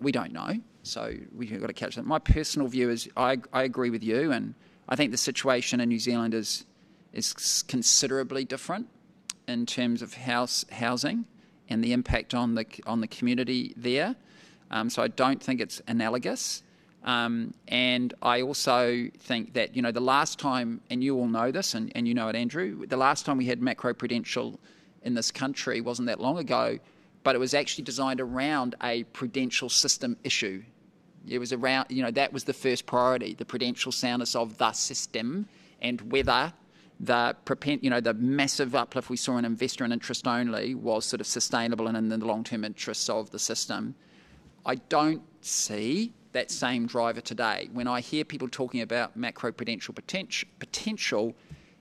we don't know, we got to catch that. My personal view is I agree with you, and I think the situation in New Zealand is considerably different in terms of housing and the impact on the community there. I don't think it's analogous. I also think that the last time, and you all know this and you know it, Andrew, the last time we had macroprudential in this country wasn't that long ago, but it was actually designed around a prudential system issue. That was the first priority, the prudential soundness of the system and whether the massive uplift we saw in investor and interest-only was sort of sustainable and in the long-term interests of the system. I don't see that same driver today. When I hear people talking about macroprudential potential,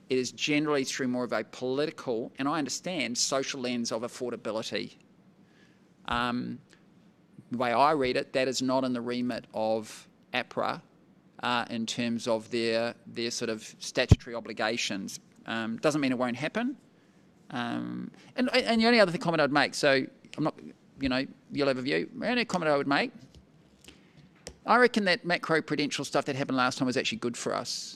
it is generally through more of a political, and I understand social lens of affordability. The way I read it, that is not in the remit of APRA in terms of their statutory obligations. Doesn't mean it won't happen. The only comment I would make, I reckon that macro-prudential stuff that happened last time was actually good for us.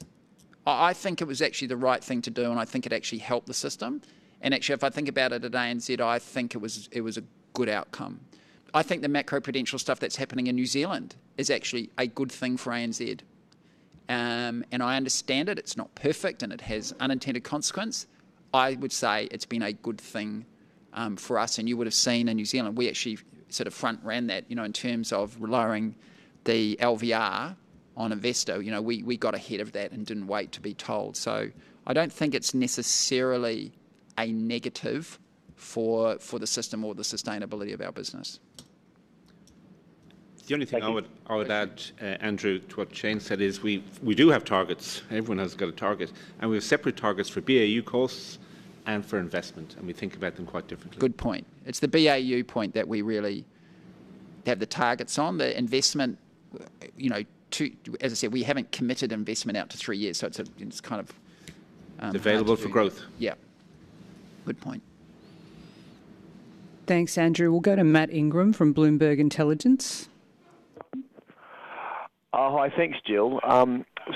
I think it was actually the right thing to do, and I think it actually helped the system. Actually, if I think about it today, ANZ, I think it was a good outcome. I think the macro-prudential stuff that's happening in New Zealand is actually a good thing for ANZ. I understand it's not perfect, and it has unintended consequence. I would say it's been a good thing for us, and you would've seen in New Zealand, we actually sort of front ran that, in terms of lowering the LVR on investor. We got ahead of that and didn't wait to be told. I don't think it's necessarily a negative for the system or the sustainability of our business. The only thing I would add, Andrew, to what Shayne said is we do have targets. Everyone has got a target. We have separate targets for BAU costs and for investment. We think about them quite differently. Good point. It's the BAU point that we really have the targets on. The investment, as I said, we haven't committed investment out to three years. It's available for growth. Yeah. Good point. Thanks, Andrew. We'll go to Matt Ingram from Bloomberg Intelligence. Hi. Thanks, Jill.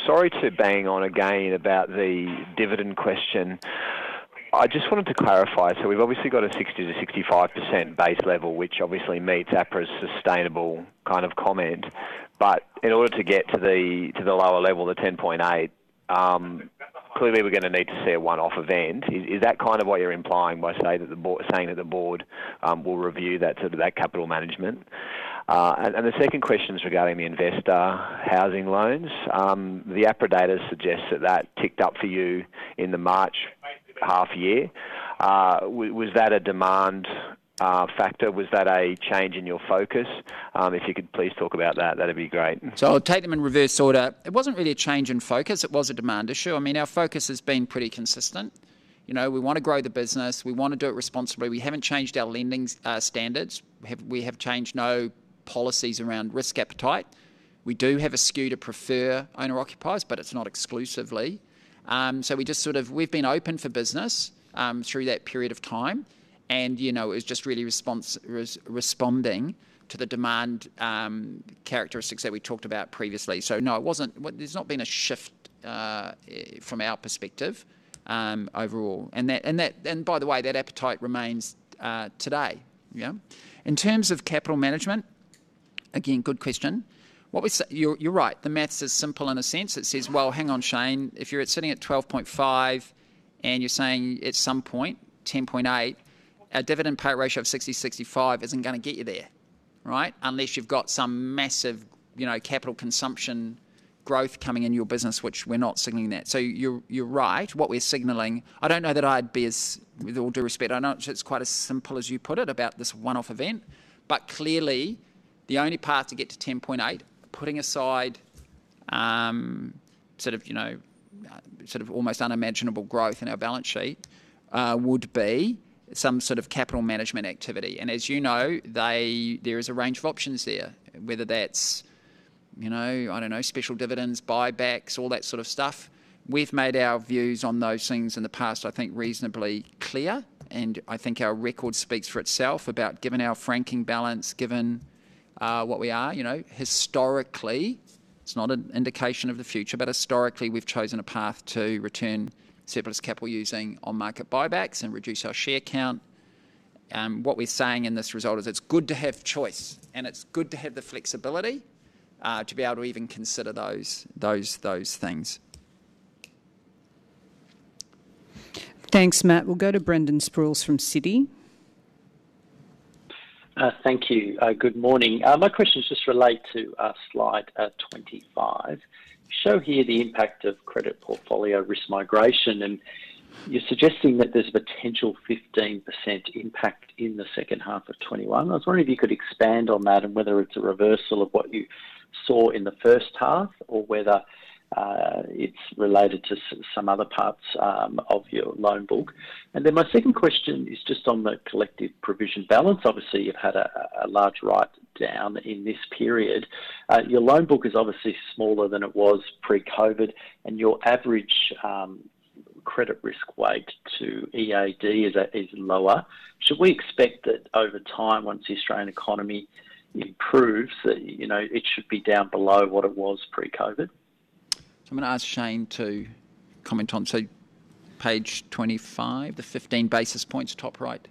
Sorry to bang on again about the dividend question. I just wanted to clarify, we've obviously got a 60%-65% base level, which obviously meets APRA's sustainable kind of comment. In order to get to the lower level, the 10.8%, clearly we're going to need to see a one-off event. Is that kind of what you're implying by saying that the Board will review that sort of capital management? The second question is regarding the investor housing loans. The APRA data suggests that ticked up for you in the March half year. Was that a demand factor? Was that a change in your focus? If you could please talk about that would be great. I'll take them in reverse order. It wasn't really a change in focus, it was a demand issue. Our focus has been pretty consistent. We want to grow the business. We want to do it responsibly. We haven't changed our lending standards. We have changed no policies around risk appetite. We do have a skew to prefer owner/occupiers, but it's not exclusively. We've been open for business through that period of time, and it was just really responding to the demand characteristics that we talked about previously. No, there's not been a shift from our perspective overall. By the way, that appetite remains today. In terms of capital management, again, good question. You're right, the math is simple in a sense. It says, "Well, hang on, Shane, if you're sitting at 12.5% and you're saying at some point 10.8%, a dividend payout ratio of 60%-65% isn't going to get you there." Right? Unless you've got some massive capital consumption growth coming into your business, which we're not signaling that. You're right. What we're signaling, I don't know that I'd be as, with all due respect, I don't know if it's quite as simple as you put it about this one-off event. Clearly, the only path to get to 10.8%, putting aside sort of almost unimaginable growth in our balance sheet, would be some sort of capital management activity. As you know, there is a range of options there, whether that's, I don't know, special dividends, buybacks, all that sort of stuff. We've made our views on those things in the past, I think reasonably clear, and I think our record speaks for itself about given our franking balance, given what we are. Historically, it's not an indication of the future, but historically, we've chosen a path to return surplus capital using on-market buybacks and reduce our share count. What we're saying in this result is it's good to have choice, and it's good to have the flexibility to be able to even consider those things. Thanks, Matt. We'll go to Brendan Sproules from Citi. Thank you. Good morning. My questions just relate to slide 25. You show here the impact of credit portfolio risk migration, you're suggesting that there's a potential 15% impact in the second half of 2021. I was wondering if you could expand on that and whether it's a reversal of what you saw in the first half or whether it's related to some other parts of your loan book. My second question is just on the collective provision balance. Obviously, you've had a large write-down in this period. Your loan book is obviously smaller than it was pre-COVID, your average credit risk weight to EAD is lower. Should we expect that over time, once the Australian economy improves, that it should be down below what it was pre-COVID? I'm going to ask Shane to comment on, so page 25, the 15 basis points top right.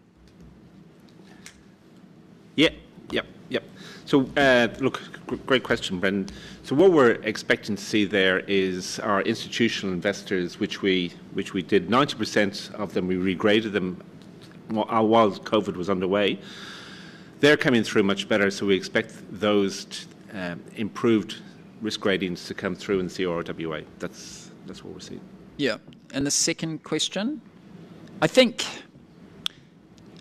Look, great question, Brendan. What we're expecting to see there is our institutional investors, which we did 90% of them, we regraded them while COVID was underway. They're coming through much better, so we expect those improved risk gradings to come through in CRWA. That's what we're seeing. Yeah. The second question, I think,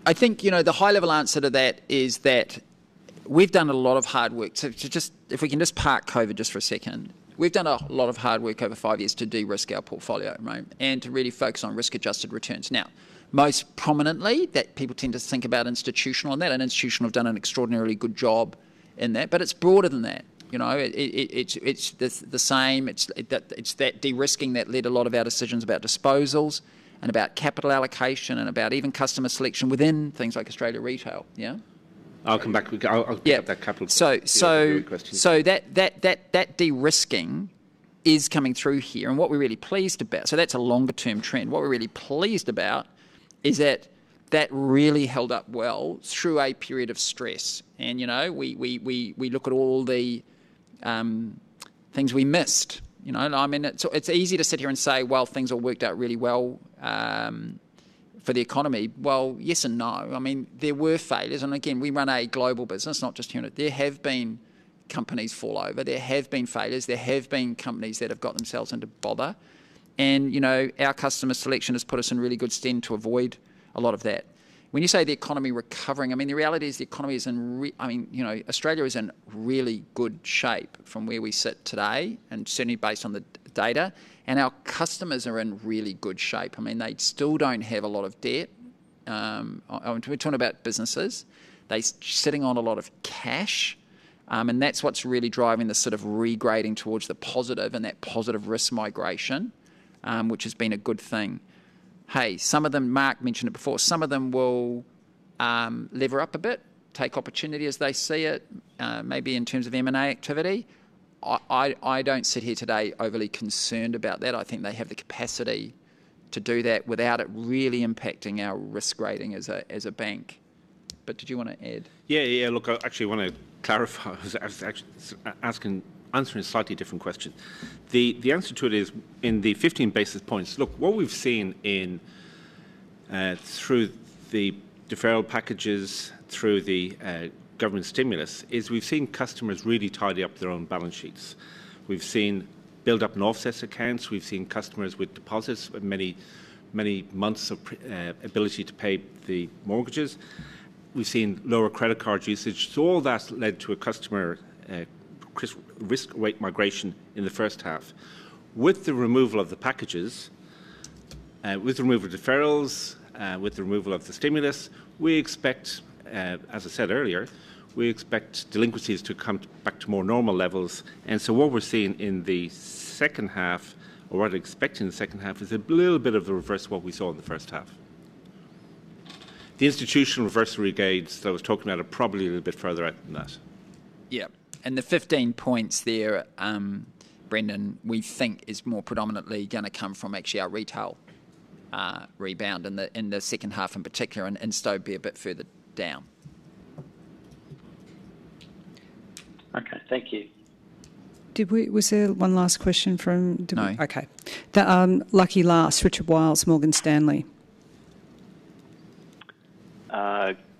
the high-level answer to that is that we've done a lot of hard work. If we can just park COVID just for a second. We've done a lot of hard work over five years to de-risk our portfolio, right? To really focus on risk-adjusted returns. Most prominently, people tend to think about Institutional, and Institutional have done an extraordinarily good job in that. It's broader than that. It's the same. It's that de-risking that led a lot of our decisions about disposals and about capital allocation and about even customer selection within things like Australia Retail. Yeah. I'll come back. Yeah of questions. That de-risking is coming through here. That's a longer-term trend. What we're really pleased about is that that really held up well through a period of stress. We look at all the things we missed. It's easy to sit here and say, "Well, things all worked out really well for the economy." Well, yes and no. There were failures. Again, we run a global business, not just here. There have been companies fall over, there have been failures, there have been companies that have got themselves into bother. Our customer selection has put us in really good steam to avoid a lot of that. When you say the economy recovering, the reality is Australia is in really good shape from where we sit today, and certainly based on the data. Our customers are in really good shape. They still don't have a lot of debt. We're talking about businesses. They're sitting on a lot of cash. That's what's really driving the regrading towards the positive and that positive risk migration, which has been a good thing. Hey, Mark mentioned it before. Some of them will lever up a bit, take opportunity as they see it, maybe in terms of M&A activity. I don't sit here today overly concerned about that. I think they have the capacity to do that without it really impacting our risk rating as a bank. Did you want to add? Yeah. Look, I actually want to clarify because I was actually answering a slightly different question. The answer to it is in the 15 basis points. Look, what we've seen through the deferral packages, through the government stimulus, is we've seen customers really tidy up their own balance sheets. We've seen build-up in offset accounts, we've seen customers with deposits of many months of ability to pay the mortgages. We've seen lower credit card usage. All that's led to a customer risk weight migration in the first half. With the removal of the packages, with the removal of deferrals, with the removal of the stimulus, as I said earlier, we expect delinquencies to come back to more normal levels. What we're seeing in the second half, or what we're expecting in the second half, is a little bit of the reverse of what we saw in the first half. The Institutional reverse regrades that I was talking about are probably a little bit further out than that. Yeah. The 15 basis points there, Brendan, we think is more predominantly going to come from actually our Retail rebound in the second half in particular, and so be a bit further down. Okay. Thank you. Was there one last question from? No. Okay. The lucky last, Richard Wiles, Morgan Stanley.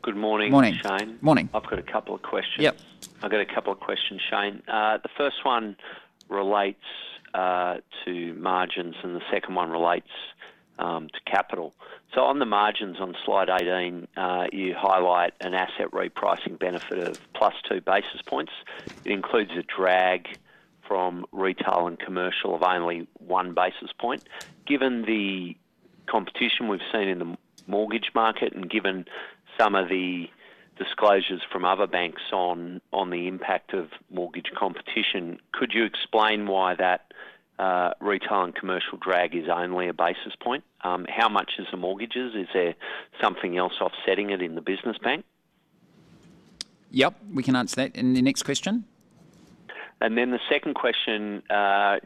Good morning. Morning. Shayne. Morning. I've got a couple of questions. Yep. I've got a couple of questions, Shayne. The first one relates to margins. The second one relates to capital. On the margins, on slide 18, you highlight an asset repricing benefit of plus two basis points. It includes a drag from Retail and Commercial of only one basis point. Given the competition we've seen in the mortgage market and given some of the disclosures from other banks on the impact of mortgage competition, could you explain why that Retail and Commercial drag is only a basis point? How much is the mortgages? Is there something else offsetting it in the business bank? Yep. We can answer that. The next question. The second question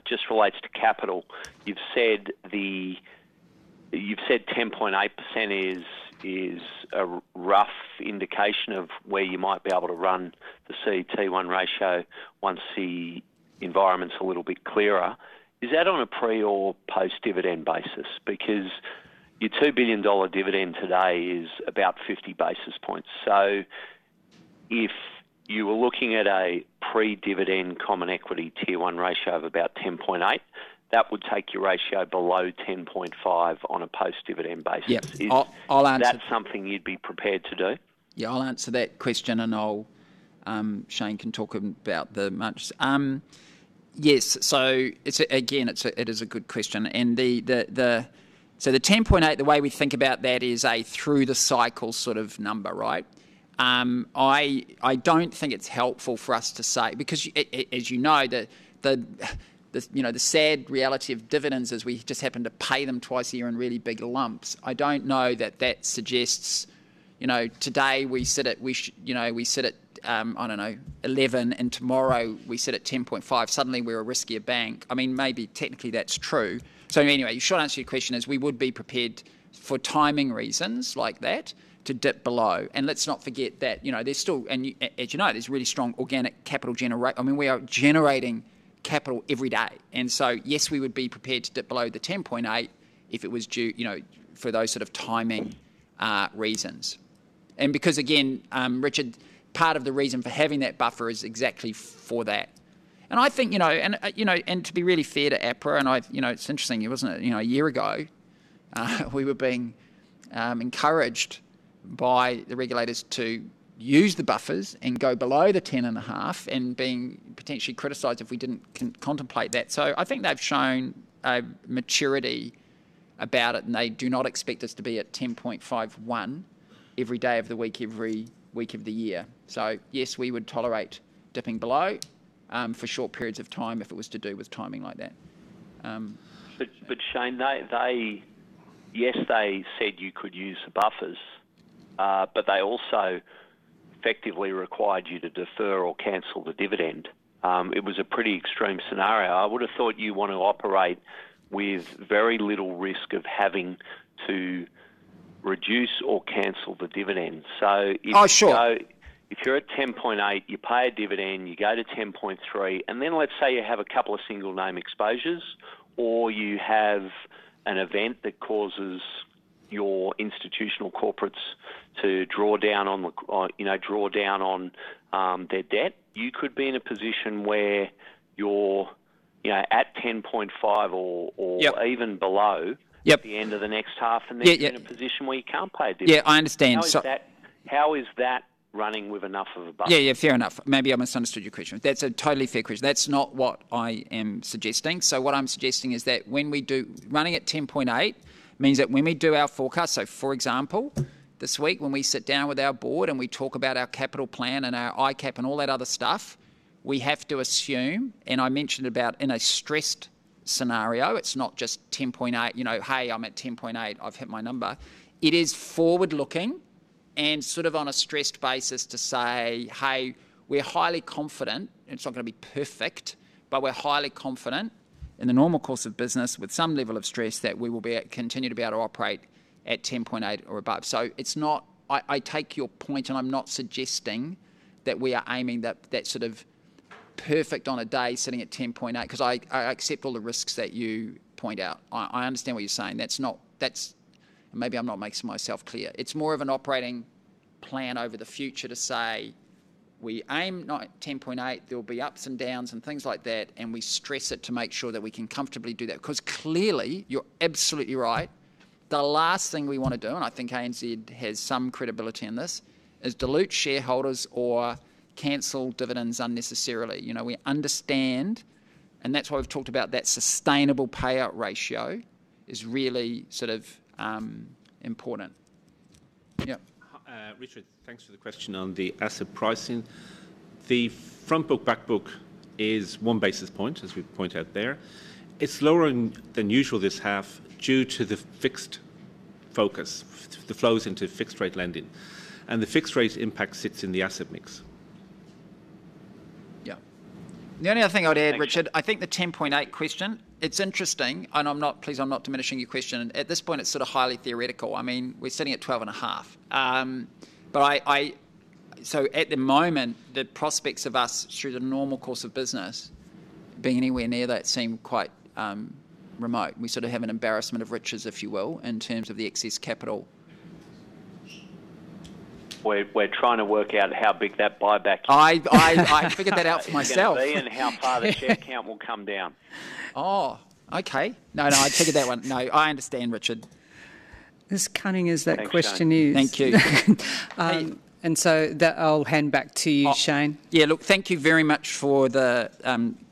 just relates to capital. You've said 10.8% is a rough indication of where you might be able to run the CET1 ratio once the environment's a little bit clearer. Is that on a pre- or post-dividend basis? Your 2 billion dollar dividend today is about 50 basis points. If you were looking at a pre-dividend Common Equity Tier 1 ratio of about 10.8%, that would take your ratio below 10.5% on a post-dividend basis. Yep. Is that something you'd be prepared to do? Yeah, I'll answer that question, and Shane can talk about the margins. Yes. Again, it is a good question. The 10.8%, the way we think about that is a through the cycle sort of number, right? I don't think it's helpful for us to say, because, as you know, the sad reality of dividends is we just happen to pay them twice a year in really big lumps. I don't know that that suggests today we sit at, I don't know, 11%, and tomorrow we sit at 10.5%, suddenly we're a riskier bank. Maybe technically that's true. Anyway, the short answer to your question is we would be prepared for timing reasons like that to dip below. Let's not forget that, as you know, there's really strong organic capital generation. We are generating capital every day. Yes, we would be prepared to dip below the 10.8% for those sort of timing reasons. Because, again, Richard, part of the reason for having that buffer is exactly for that. I think, and to be really fair to APRA, it's interesting, it wasn't a year ago, we were being encouraged by the regulators to use the buffers and go below the 10.5%, and being potentially criticized if we didn't contemplate that. I think they've shown a maturity about it, and they do not expect us to be at 10.51% every day of the week, every week of the year. Yes, we would tolerate dipping below, for short periods of time if it was to do with timing like that. Shayne, yes, they said you could use the buffers, but they also effectively required you to defer or cancel the dividend. It was a pretty extreme scenario. I would've thought you want to operate with very little risk of having to reduce or cancel the dividend. Oh, sure. if you're at 10.8%, you pay a dividend, you go to 10.3%, and then let's say you have a couple of single name exposures, or you have an event that causes your institutional corporates to draw down on their debt. You could be in a position where you're at 10.5% or even below. Yep ...at the end of the next half. Yeah. You're in a position where you can't pay a dividend. Yeah, I understand. How is that running with enough of a buffer? Yeah. Fair enough. Maybe I misunderstood your question. That's a totally fair question. That's not what I am suggesting. What I'm suggesting is that running at 10.8% means that when we do our forecast, for example, this week when we sit down with our Board and we talk about our capital plan and our ICAAP and all that other stuff, we have to assume, and I mentioned about in a stressed scenario, it's not just 10.8%, "Hey, I'm at 10.8%, I've hit my number." It is forward-looking and sort of on a stressed basis to say, "Hey, we are highly confident and it's not going to be perfect, but we're highly confident in the normal course of business with some level of stress that we will continue to be able to operate at 10.8% or above." I take your point, and I'm not suggesting that we are aiming that sort of perfect on a day sitting at 10.8% because I accept all the risks that you point out. I understand what you're saying. Maybe I'm not making myself clear. It's more of an operating plan over the future to say, we aim not at 10.8%. There'll be ups and downs and things like that, and we stress it to make sure that we can comfortably do that. Because clearly, you're absolutely right, the last thing we want to do, and I think ANZ has some credibility in this, is dilute shareholders or cancel dividends unnecessarily. We understand, and that's why we've talked about that sustainable payout ratio is really sort of, important. Yep. Richard, thanks for the question on the asset pricing. The front book, back book is one basis point, as we point out there. It's lower than usual this half due to the fixed focus, the flows into fixed rate lending, and the fixed rate impact sits in the asset mix. The only other thing I'd add, Richard, I think the 10.8% question, it's interesting, and please, I'm not diminishing your question. At this point, it's sort of highly theoretical. We're sitting at 12.5%. At the moment, the prospects of us through the normal course of business being anywhere near that seem quite remote. We sort of have an embarrassment of riches, if you will, in terms of the excess capital. We're trying to work out how big that buyback is. I figured that out for myself. How far the share count will come down. Oh, okay. No, I figured that one. No, I understand, Richard. As cunning as that question is. Thank you, Shayne. Thank you. I'll hand back to you, Shayne. Look, thank you very much for the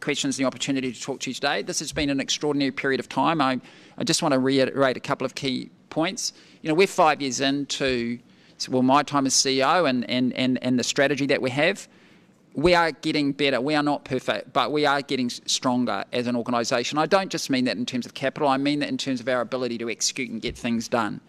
questions and the opportunity to talk to you today. This has been an extraordinary period of time. I just want to reiterate a couple of key points. We're five years into, well, my time as CEO and the strategy that we have. We are getting better. We are not perfect, but we are getting stronger as an organization. I don't just mean that in terms of capital, I mean that in terms of our ability to execute and get things done.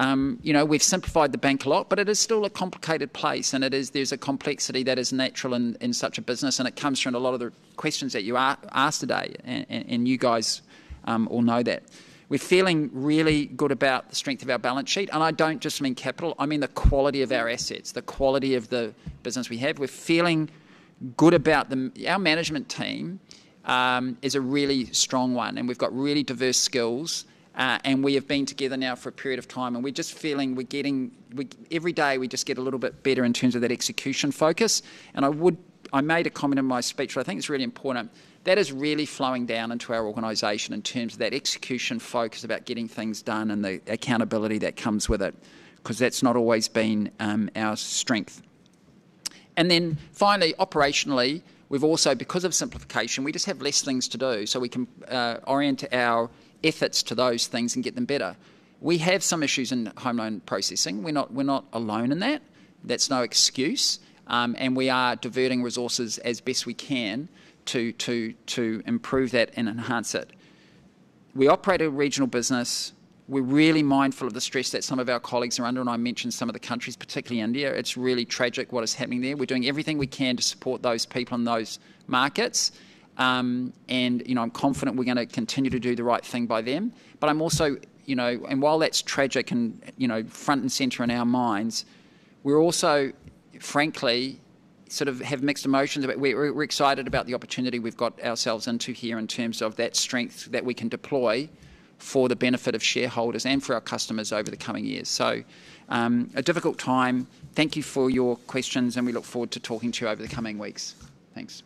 We've simplified the bank a lot, but it is still a complicated place, and there's a complexity that is natural in such a business, and it comes from a lot of the questions that you asked today, and you guys all know that. We're feeling really good about the strength of our balance sheet, and I don't just mean capital, I mean the quality of our assets, the quality of the business we have. Our management team, is a really strong one, and we've got really diverse skills. We have been together now for a period of time, and every day we just get a little bit better in terms of that execution focus. I made a comment in my speech, I think it's really important. That is really flowing down into our organization in terms of that execution focus about getting things done and the accountability that comes with it, because that's not always been our strength. Then finally, operationally, we've also, because of simplification, we just have less things to do, so we can orient our efforts to those things and get them better. We have some issues in home loan processing. We're not alone in that. That's no excuse. We are diverting resources as best we can to improve that and enhance it. We operate a regional business. We're really mindful of the stress that some of our colleagues are under, and I mentioned some of the countries, particularly India. It's really tragic what is happening there. We're doing everything we can to support those people in those markets. I'm confident we're going to continue to do the right thing by them. While that's tragic and front and center in our minds, we're also frankly sort of have mixed emotions about it. We're excited about the opportunity we've got ourselves into here in terms of that strength that we can deploy for the benefit of shareholders and for our customers over the coming years. A difficult time. Thank you for your questions, and we look forward to talking to you over the coming weeks. Thanks.